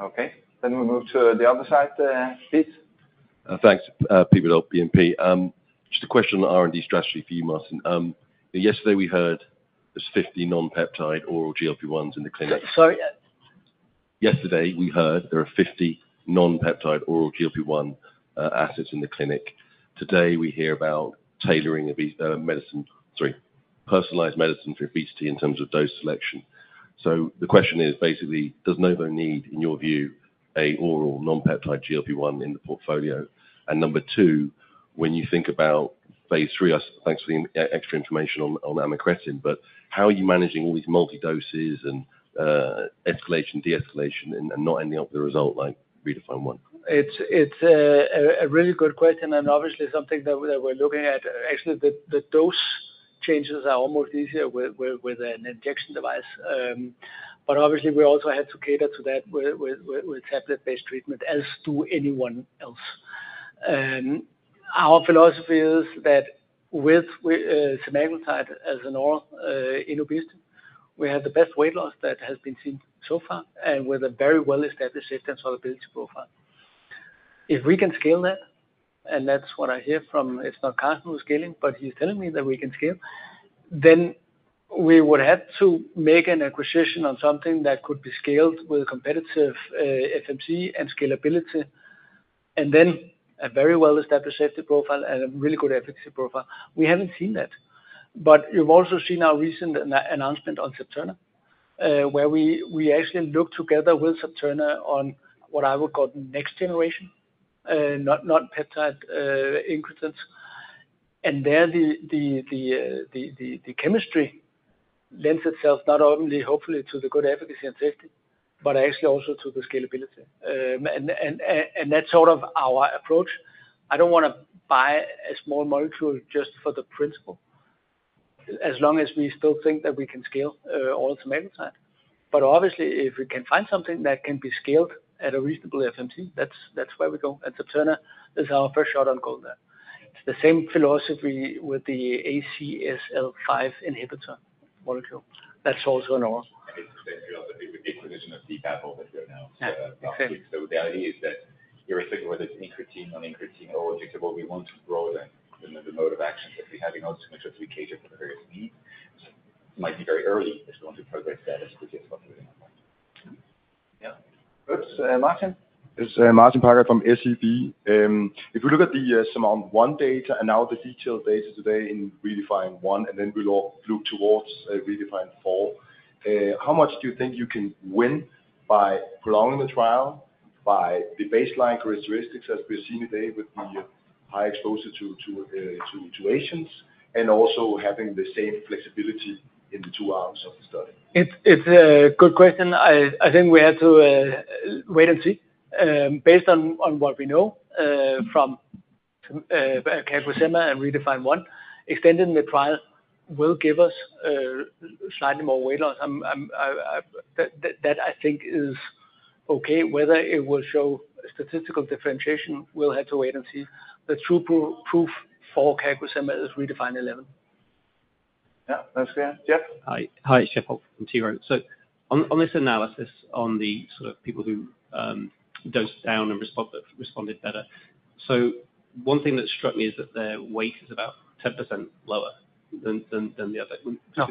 Okay. We move to the other side, Pete. Thanks, Peter of BNP. Just a question on R&D strategy for you, Martin. Yesterday, we heard there are 50 non-peptide oral GLP-1s in the clinic. Sorry? Yesterday, we heard there are 50 non-peptide oral GLP-1 assets in the clinic. Today, we hear about tailoring medicine, sorry, personalized medicine for obesity in terms of dose selection. The question is basically, does Novo need, in your view, an oral non-peptide GLP-1 in the portfolio? Number two, when you think about phase III, thanks for the extra information on amycretin, but how are you managing all these multi-doses and escalation, de-escalation, and not ending up with a result like ReDefine 1? It's a really good question and obviously something that we're looking at. Actually, the dose changes are almost easier with an injection device. Obviously, we also had to cater to that with tablet-based treatment, as do anyone else. Our philosophy is that with semaglutide as an oral in obesity, we have the best weight loss that has been seen so far and with a very well-established system solubility profile. If we can scale that, and that's what I hear from, it's not Kasim who's scaling, but he's telling me that we can scale, then we would have to make an acquisition on something that could be scaled with competitive FMC and scalability, and then a very well-established safety profile and a really good efficacy profile. We haven't seen that. You've also seen our recent announcement on Sapturna, where we actually looked together with Sapturna on what I would call next generation, not peptide incretins. There the chemistry lends itself not only hopefully to the good efficacy and safety, but actually also to the scalability. That's sort of our approach. I don't want to buy a small molecule just for the principle as long as we still think that we can scale oral semaglutide. Obviously, if we can find something that can be scaled at a reasonable FMC, that's where we go. Sapturna is our first shot on goal there. It's the same philosophy with the ACSL5 inhibitor molecule. That's also an oral. I think we're in the equivalent of DPAP over here now. The idea is that you're a signal where there's incretin or incretin or objective, or we want to broaden the mode of action that we have in order to make sure that we cater for the various needs. It might be very early if we want to progress that as we just got to the final point. Yeah. Good. Martin. This is Martin Parkhøi from SEB. If we look at the SMART-1 data and now the detailed data today in ReDefine 1, and then we'll all look towards ReDefine 4, how much do you think you can win by prolonging the trial, by the baseline characteristics as we've seen today with the high exposure to patients, and also having the same flexibility in the two arms of the study? It's a good question. I think we have to wait and see. Based on what we know from CagriSema and ReDefine 1, extending the trial will give us slightly more weight loss. That I think is okay. Whether it will show statistical differentiation, we'll have to wait and see. The true proof for CagriSema is ReDefine 11. Yeah. That's clear. Jeff? Hi. Hi, Jeff. from T-Rowe. On this analysis on the sort of people who dosed down and responded better, one thing that struck me is that their weight is about 10% lower than the other.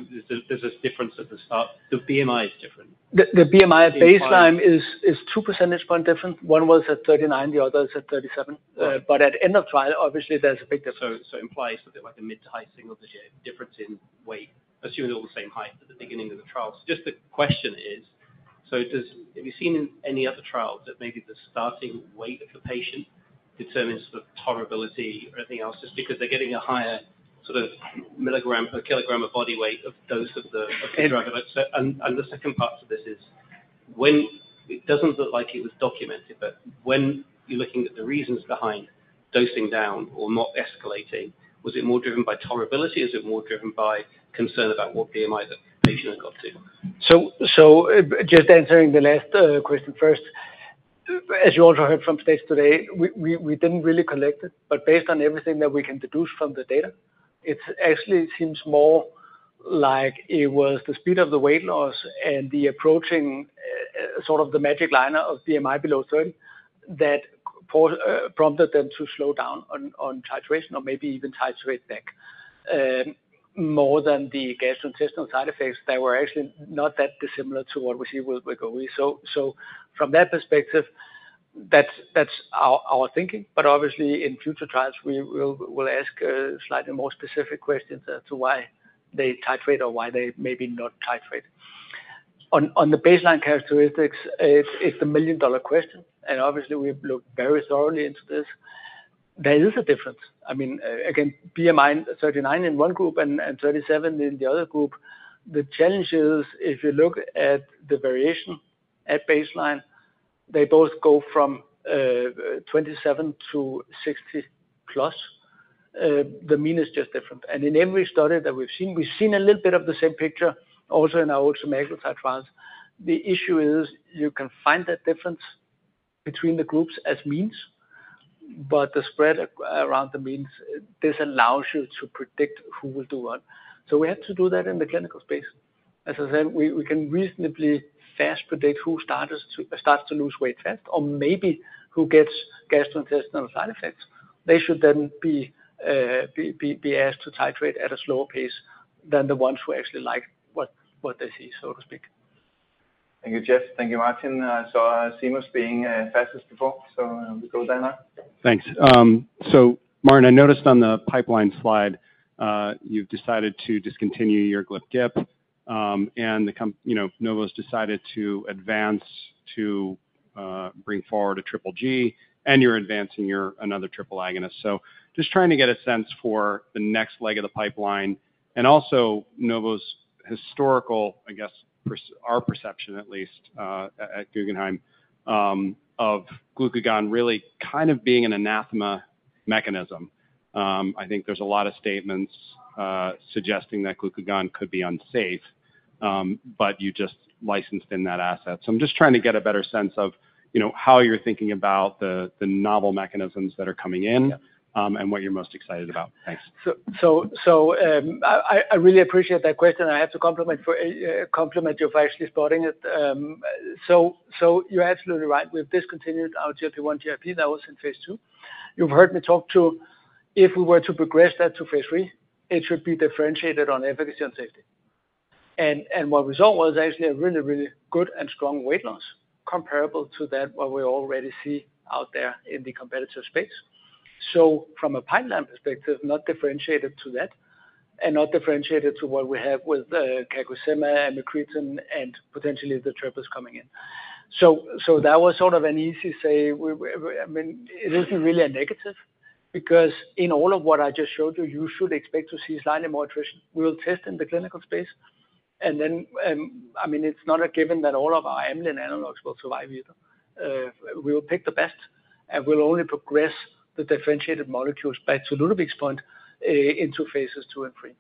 There's this difference at the start. The BMI is different. The BMI at baseline is two percentage points different. One was at 39, the other is at 37. At end of trial, obviously, there's a big difference. It implies that there's like a mid to high single-digit difference in weight, assuming they're all the same height at the beginning of the trial. Just the question is, have you seen in any other trials that maybe the starting weight of the patient determines the tolerability or anything else just because they're getting a higher sort of milligram per kilogram of body weight of dose of the drug? The second part to this is, it doesn't look like it was documented, but when you're looking at the reasons behind dosing down or not escalating, was it more driven by tolerability? Is it more driven by concern about what BMI the patient has got to? Just answering the last question first, as you also heard from states today, we didn't really collect it. Based on everything that we can deduce from the data, it actually seems more like it was the speed of the weight loss and the approaching sort of the magic line of BMI below 30 that prompted them to slow down on titration or maybe even titrate back more than the gastrointestinal side effects that were actually not that dissimilar to what we see with Wegovy. From that perspective, that's our thinking. Obviously, in future trials, we will ask slightly more specific questions as to why they titrate or why they maybe not titrate. On the baseline characteristics, it's the million-dollar question. Obviously, we look very thoroughly into this. There is a difference. I mean, again, BMI 39 in one group and 37 in the other group. The challenge is if you look at the variation at baseline, they both go from 27 to 60 plus. The mean is just different. In every study that we've seen, we've seen a little bit of the same picture also in our old semaglutide trials. The issue is you can find that difference between the groups as means, but the spread around the means, this allows you to predict who will do what. We have to do that in the clinical space. As I said, we can reasonably fast predict who starts to lose weight fast or maybe who gets gastrointestinal side effects. They should then be asked to titrate at a slower pace than the ones who actually like what they see, so to speak. Thank you, Jeff. Thank you, Martin. I saw Seamus being fastest before. We go there now. Thanks. Martin, I noticed on the pipeline slide, you've decided to discontinue your GlypGIP, and Novo's decided to advance to bring forward a triple G, and you're advancing another triple agonist. Just trying to get a sense for the next leg of the pipeline. Also, Novo's historical, I guess, our perception at least at Guggenheim of glucagon really kind of being an anathema mechanism. I think there's a lot of statements suggesting that glucagon could be unsafe, but you just licensed in that asset. I'm just trying to get a better sense of how you're thinking about the novel mechanisms that are coming in and what you're most excited about. Thanks. I really appreciate that question. I have to compliment you for actually spotting it. You're absolutely right. We've discontinued our GLP-1, GLP that was in phase II. You've heard me talk to, if we were to progress that to phase III, it should be differentiated on efficacy and safety. What we saw was actually a really, really good and strong weight loss comparable to what we already see out there in the competitive space. From a pipeline perspective, not differentiated to that and not differentiated to what we have with CagriSema, amycretin, and potentially the triples coming in. That was sort of an easy say. I mean, it isn't really a negative because in all of what I just showed you, you should expect to see slightly more attrition. We'll test in the clinical space. And then, I mean, it's not a given that all of our amylin analogs will survive either. We will pick the best, and we'll only progress the differentiated molecules back to Ludovic's point into phases II and III.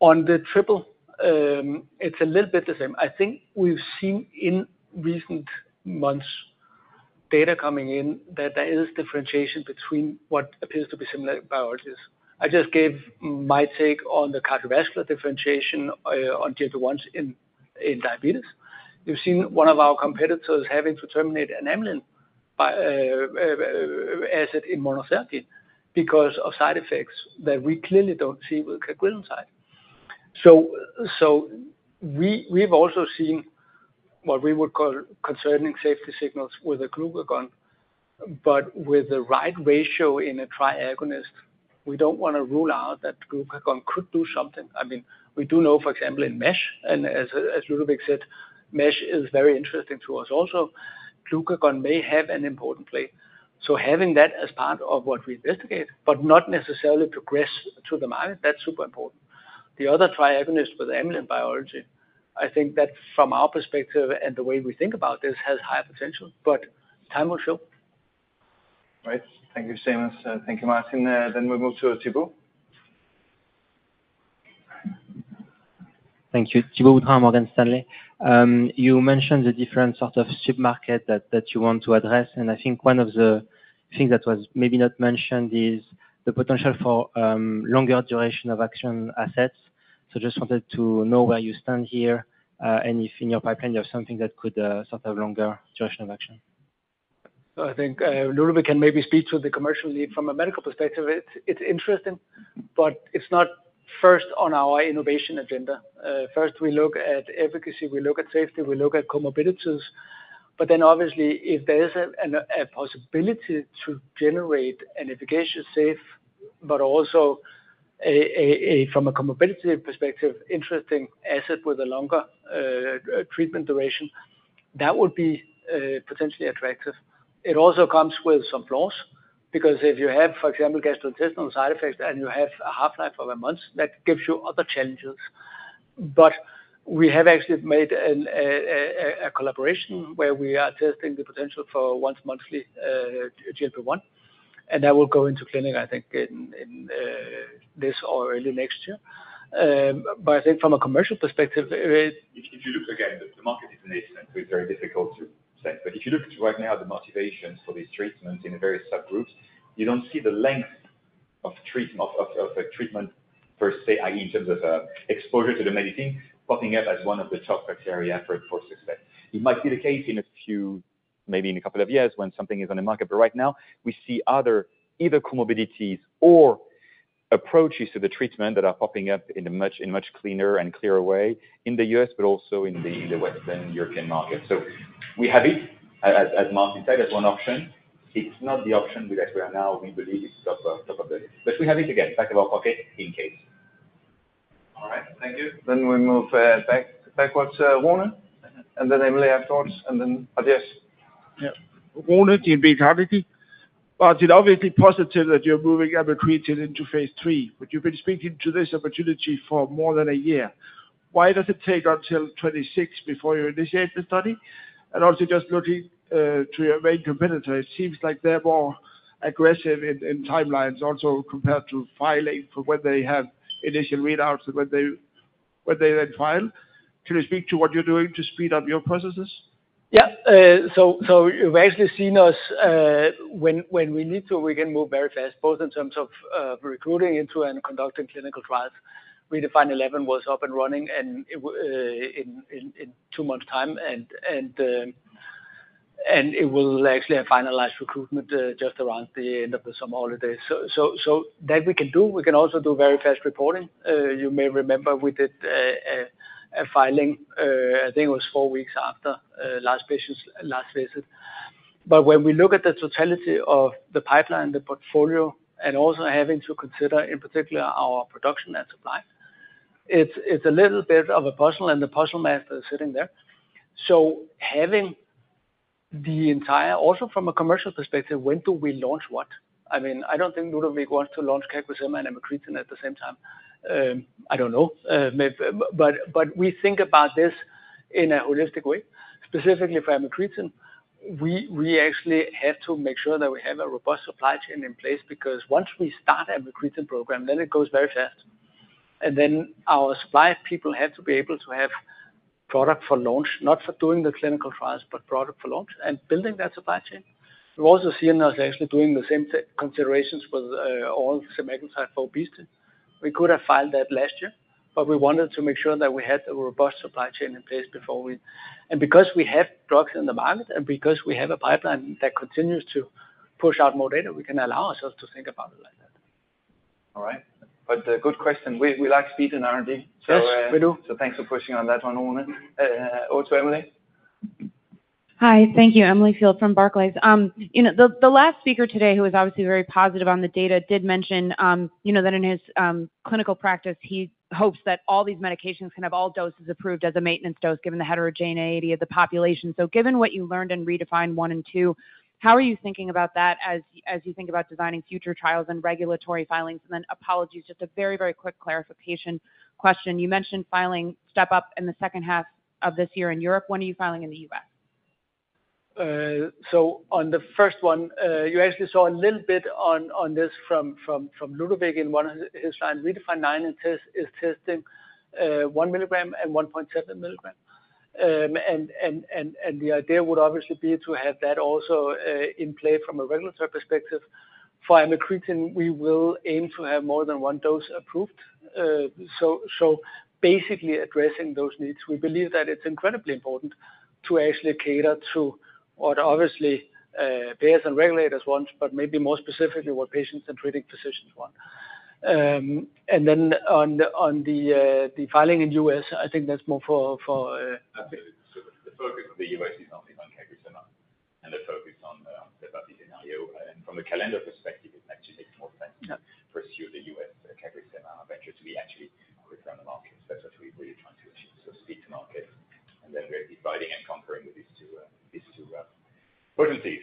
On the triple, it's a little bit the same. I think we've seen in recent months data coming in that there is differentiation between what appears to be similar biologies. I just gave my take on the cardiovascular differentiation on GLP-1s in diabetes. You've seen one of our competitors having to terminate an amylin asset in monotherapy because of side effects that we clearly don't see with CagriSema. So we've also seen what we would call concerning safety signals with a glucagon. With the right ratio in a triagonist, we do not want to rule out that glucagon could do something. I mean, we do know, for example, in MASH, and as Ludovic said, MASH is very interesting to us also. Glucagon may have an important play. Having that as part of what we investigate, but not necessarily progress to the market, that is super important. The other triagonist with amylin biology, I think that from our perspective and the way we think about this, has higher potential, but time will show. Great. Thank you, Seamus. Thank you, Martin. We move to Thibault. Thank you. Thibault from Morgan Stanley. You mentioned the different sort of supermarket that you want to address. I think one of the things that was maybe not mentioned is the potential for longer duration of action assets. I just wanted to know where you stand here and if in your pipeline you have something that could sort of longer duration of action. I think Ludovic can maybe speak to the commercial lead from a medical perspective. It's interesting, but it's not first on our innovation agenda. First, we look at efficacy, we look at safety, we look at comorbidities. Obviously, if there is a possibility to generate an efficacious, safe, but also from a comorbidity perspective, interesting asset with a longer treatment duration, that would be potentially attractive. It also comes with some flaws because if you have, for example, gastrointestinal side effects and you have a half-life of a month, that gives you other challenges. We have actually made a collaboration where we are testing the potential for once-monthly GLP-1. That will go into clinic, I think, in this or early next year. I think from a commercial perspective, if you look again, the market is an asymmetry, it's very difficult to say. If you look right now at the motivations for these treatments in the various subgroups, you do not see the length of a treatment per se, in terms of exposure to the medicine popping up as one of the top criteria for success. It might be the case in a few, maybe in a couple of years when something is on the market. Right now, we see other either comorbidities or approaches to the treatment that are popping up in a much cleaner and clearer way in the U.S., but also in the Western European market. We have it, as Martin said, as one option. It's not the option that we are now, we believe, is top of the list. We have it again, back of our pocket in case. All right. Thank you. We move backwards. Warner. And then Emily, afterwards. And then Mathias. Yeah. Warner [in Behaviorality] Martin, obviously positive that you're moving amycretin into phase III, but you've been speaking to this opportunity for more than a year. Why does it take until 2026 before you initiate the study? Also, just looking to your main competitor, it seems like they're more aggressive in timelines also compared to filing for when they have initial readouts and when they then file. Can you speak to what you're doing to speed up your processes? Yeah. You've actually seen us when we need to, we can move very fast, both in terms of recruiting into and conducting clinical trials. ReDefine 11 was up and running in two months' time, and it will actually have finalized recruitment just around the end of the summer holidays. That we can do, we can also do very fast reporting. You may remember we did a filing, I think it was four weeks after last visit. When we look at the totality of the pipeline, the portfolio, and also having to consider in particular our production and supply, it's a little bit of a puzzle, and the puzzle master is sitting there. Having the entire, also from a commercial perspective, when do we launch what? I mean, I don't think Ludovic wants to launch CagriSema and amycretin at the same time. I don't know. We think about this in a holistic way. Specifically for amycretin, we actually have to make sure that we have a robust supply chain in place because once we start amycretin program, then it goes very fast. Then our supply people have to be able to have product for launch, not for doing the clinical trials, but product for launch and building that supply chain. We have also seen us actually doing the same considerations with oral semaglutide for obesity. We could have filed that last year, but we wanted to make sure that we had a robust supply chain in place before we. Because we have drugs in the market and because we have a pipeline that continues to push out more data, we can allow ourselves to think about it like that. All right. Good question. We like speed in R&D. Thanks for pushing on that one, Warner. Over to Emily. Hi. Thank you, Emily Field from Barclays. The last speaker today who was obviously very positive on the data did mention that in his clinical practice, he hopes that all these medications can have all doses approved as a maintenance dose given the heterogeneity of the population. Given what you learned in ReDefine 1 and 2, how are you thinking about that as you think about designing future trials and regulatory filings? Apologies, just a very, very quick clarification question. You mentioned filing step up in the second half of this year in Europe. When are you filing in the U.S.? On the first one, you actually saw a little bit on this from Ludovic in one of his lines. ReDefine 9 is testing 1 mg and 1.7 mg. The idea would obviously be to have that also in play from a regulatory perspective. For amycretin, we will aim to have more than one dose approved. Basically addressing those needs, we believe that it's incredibly important to actually cater to what obviously payers and regulators want, but maybe more specifically what patients and treating physicians want. On the filing in the U.S., I think that's more for the focus of the U.S. is on CagriSema and the focus on the value in IO. From a calendar perspective, it actually makes more sense to pursue the U.S. CagriSema venture to be actually a return on the market, especially what we're really trying to achieve. Speed to market and then really dividing and conquering with these two potencies.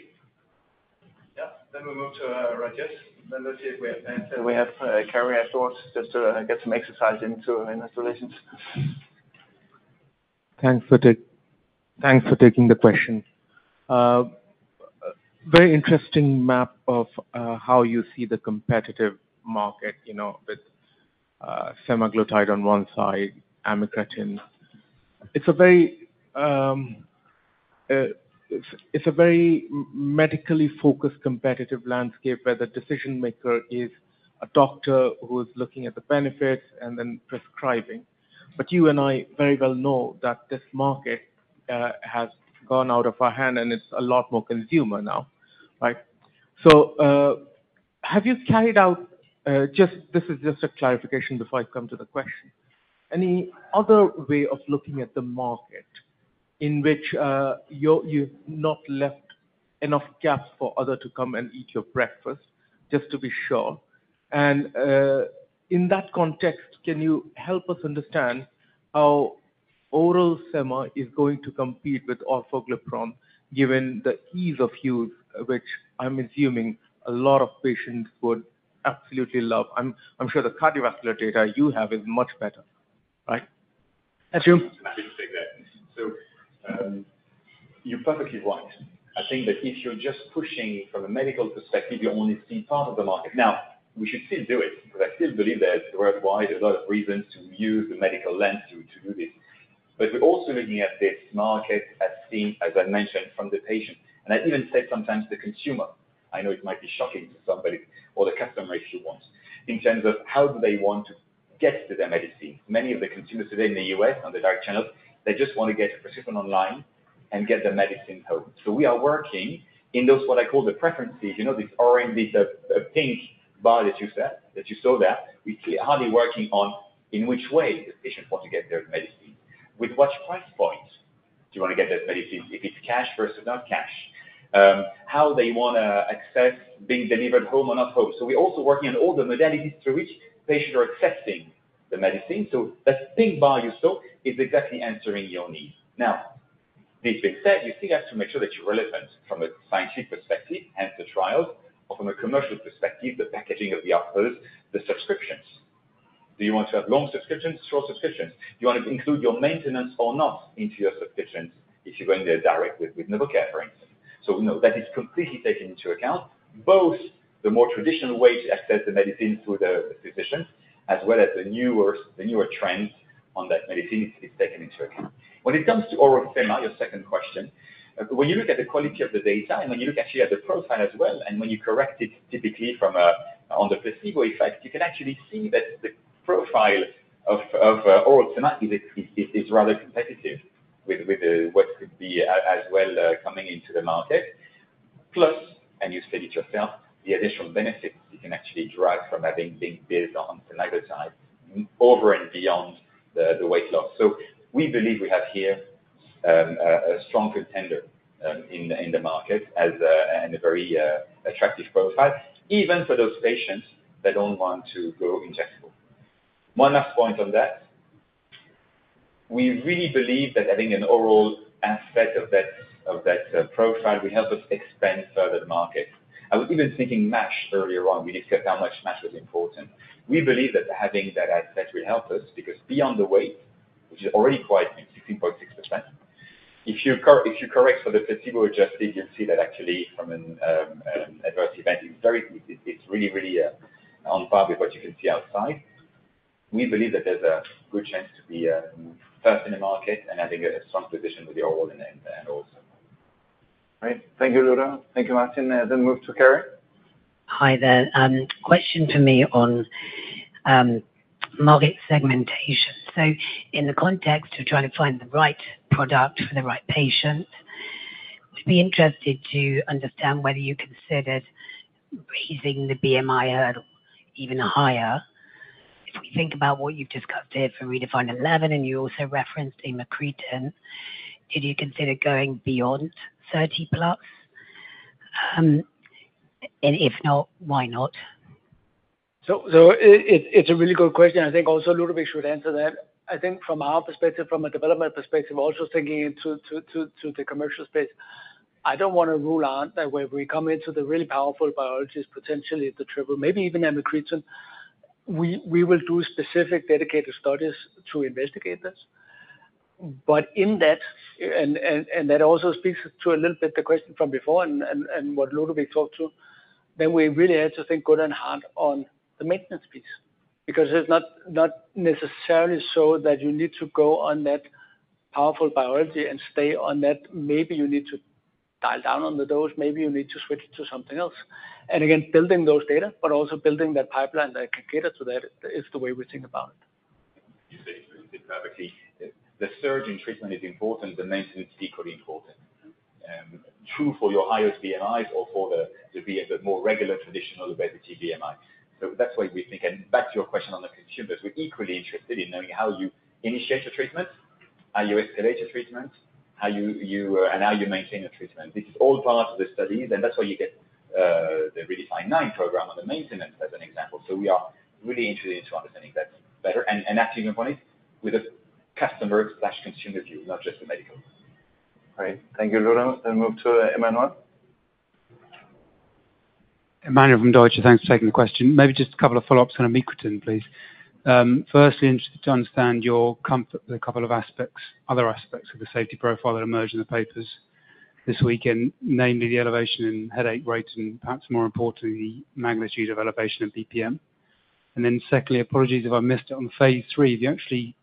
Yeah. We move to Rajesh. Let's see if we have time. We have Kerry afterwards just to get some exercise into installations. Thanks for taking the question. Very interesting map of how you see the competitive market with semaglutide on one side, amycretin. It's a very medically focused competitive landscape where the decision maker is a doctor who is looking at the benefits and then prescribing. You and I very well know that this market has gone out of our hand and it's a lot more consumer now, right? Have you carried out, just this is just a clarification before I come to the question, any other way of looking at the market in which you've not left enough gaps for others to come and eat your breakfast, just to be sure? In that context, can you help us understand how oral sema is going to compete with orforglipron given the ease of use, which I'm assuming a lot of patients would absolutely love. I'm sure the cardiovascular data you have is much better, right? Martin? You're perfectly right. I think that if you're just pushing from a medical perspective, you only see part of the market. We should still do it because I still believe there's worldwide a lot of reasons to use the medical lens to do this. We're also looking at this market as seen, as I mentioned, from the patient. I even said sometimes the consumer, I know it might be shocking to somebody, or the customer if you want, in terms of how do they want to get to their medicine. Many of the consumers today in the U.S. on the direct channels, they just want to get a prescription online and get the medicine home. We are working in those, what I call the preferences, you know, this pink bar that you saw there. We're hardly working on in which way the patient wants to get their medicine. With what price point do you want to get that medicine? If it's cash versus not cash, how they want to access, being delivered home or not home. We are also working on all the modalities through which patients are accessing the medicine. That pink bar you saw is exactly answering your needs. Now, this being said, you still have to make sure that you're relevant from a scientific perspective, hence the trials, or from a commercial perspective, the packaging of the offers, the subscriptions. Do you want to have long subscriptions, short subscriptions? Do you want to include your maintenance or not into your subscriptions if you're going there direct with NovaCare, for instance? That is completely taken into account, both the more traditional way to access the medicine through the physicians, as well as the newer trends on that medicine. It's taken into account. When it comes to oral sema, your second question, when you look at the quality of the data and when you look actually at the profile as well, and when you correct it typically from on the placebo effect, you can actually see that the profile of oral sema is rather competitive with what could be as well coming into the market. Plus, and you said it yourself, the additional benefits you can actually drive from having been based on semaglutide over and beyond the weight loss. We believe we have here a strong contender in the market and a very attractive profile, even for those patients that do not want to go injectable. One last point on that. We really believe that having an oral aspect of that profile will help us expand further the market. I was even speaking MASH earlier on. We discussed how much MASH was important. We believe that having that aspect will help us because beyond the weight, which is already quite 16.6%, if you correct for the placebo adjusted, you will see that actually from an adverse event, it is really, really on par with what you can see outside. We believe that there is a good chance to be first in the market and having a strong position with the oral and also. Great. Thank you, Ludo. Thank you, Martin. Move to Kerry. Hi there. Question for me on market segmentation. In the context of trying to find the right product for the right patient, I'd be interested to understand whether you considered raising the BMI hurdle even higher. If we think about what you've discussed here for ReDefine 11 and you also referenced amycretin, did you consider going beyond 30 plus? If not, why not? It's a really good question. I think also Ludovic should answer that. I think from our perspective, from a development perspective, also thinking into the commercial space, I don't want to rule out that where we come into the really powerful biologies, potentially the triple, maybe even amycretin, we will do specific dedicated studies to investigate this. In that, and that also speaks to a little bit the question from before and what Ludovic talked to, we really had to think good and hard on the maintenance piece because it's not necessarily so that you need to go on that powerful biology and stay on that. Maybe you need to dial down on the dose. Maybe you need to switch to something else. Again, building those data, but also building that pipeline that can cater to that is the way we think about it. You said it perfectly. The surge in treatment is important. The maintenance is equally important. True for your highest BMIs or for the more regular traditional obesity BMI. That is why we think, and back to your question on the consumers, we are equally interested in knowing how you initiate your treatment, how you escalate your treatment, and how you maintain your treatment. This is all part of the studies, and that is why you get the ReDefine 9 program on the maintenance as an example. We are really interested in understanding that better and actually even with a customer or consumer view, not just the medical. Great. Thank you, Ludo. Move to Emmanuel. Emmanuel from Deutsche Bank. Thanks for taking the question. Maybe just a couple of follow-ups on amycretin, please. Firstly, interested to understand your comfort with a couple of other aspects of the safety profile that emerge in the papers this weekend, namely the elevation in headache rates and perhaps more importantly, the magnitude of elevation of BPM. Then secondly, apologies if I missed it on phase III. If you actually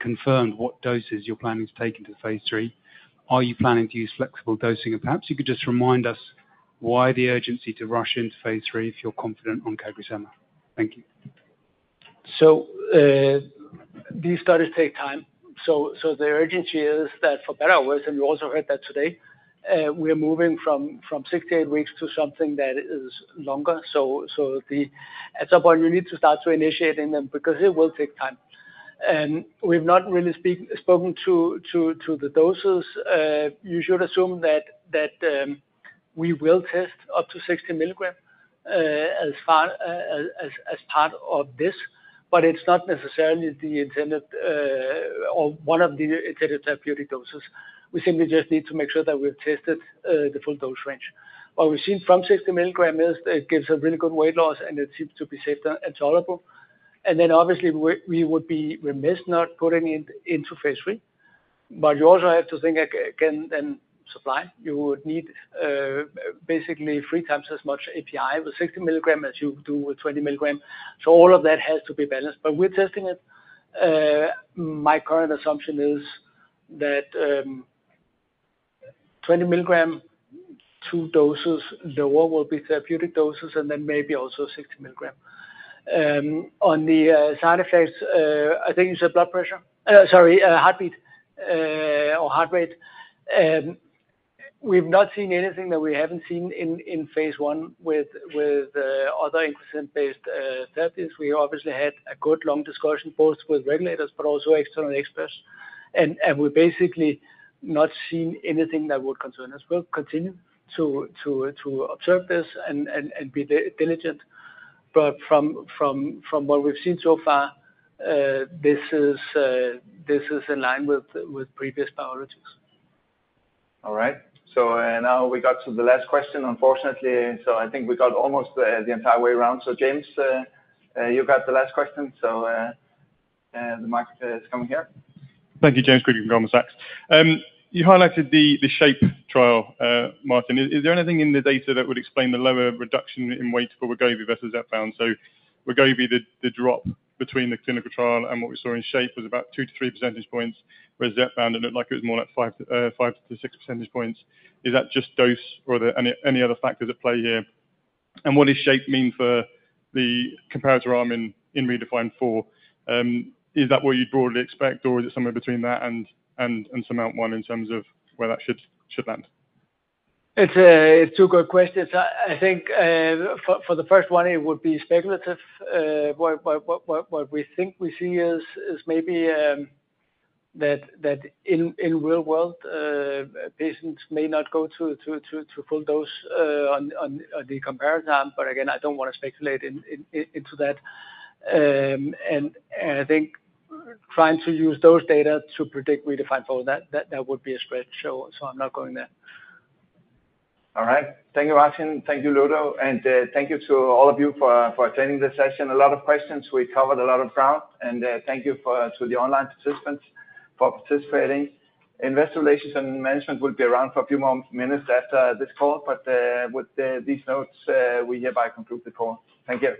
confirmed what doses you're planning to take into phase three, are you planning to use flexible dosing? Perhaps you could just remind us why the urgency to rush into phase III if you're confident on CagriSema. Thank you. These studies take time. The urgency is that for better or worse, and you also heard that today, we are moving from six to eight weeks to something that is longer. At some point, you need to start to initiate them because it will take time. We've not really spoken to the doses. You should assume that we will test up to 60 mg as part of this, but it's not necessarily the intended or one of the intended therapeutic doses. We simply just need to make sure that we've tested the full dose range. What we've seen from 60 mg is it gives a really good weight loss, and it seems to be safe and tolerable. We would be remiss not putting it into phase III. You also have to think again then supply. You would need basically three times as much API with 60 mg as you do with 20 mg. All of that has to be balanced, but we're testing it. My current assumption is that 20 mg, two doses lower, will be therapeutic doses, and then maybe also 60 mg. On the side effects, I think you said blood pressure, sorry, heartbeat or heart rate. We've not seen anything that we haven't seen in phase one with other incretin-based therapies. We obviously had a good long discussion both with regulators but also external experts. And we've basically not seen anything that would concern us. We'll continue to observe this and be diligent. But from what we've seen so far, this is in line with previous biologies. All right. Now we got to the last question, unfortunately. I think we got almost the entire way around. James, you got the last question. The mic is coming here. Thank you, James Quigley from Goldman Sachs. You highlighted the shape trial, Martin. Is there anything in the data that would explain the lower reduction in weight for Wegovy versus Zepbound? Wegovy, the drop between the clinical trial and what we saw in shape was about 2-3 percentage points, whereas Zepbound, it looked like it was more like 5-6 percentage points. Is that just dose or any other factors at play here? What does shape mean for the comparator arm in ReDefine 4? Is that what you'd broadly expect, or is it somewhere between that and semaglutide one in terms of where that should land? It's two good questions. I think for the first one, it would be speculative. What we think we see is maybe that in real world, patients may not go to full dose on the comparator arm, but again, I don't want to speculate into that. I think trying to use those data to predict ReDefine 4, that would be a stretch. I'm not going there. All right. Thank you, Martin. Thank you, Ludo. Thank you to all of you for attending this session. A lot of questions. We covered a lot of ground. Thank you to the online participants for participating. Investor relations and management will be around for a few more minutes after this call. With these notes, we hereby conclude the call. Thank you.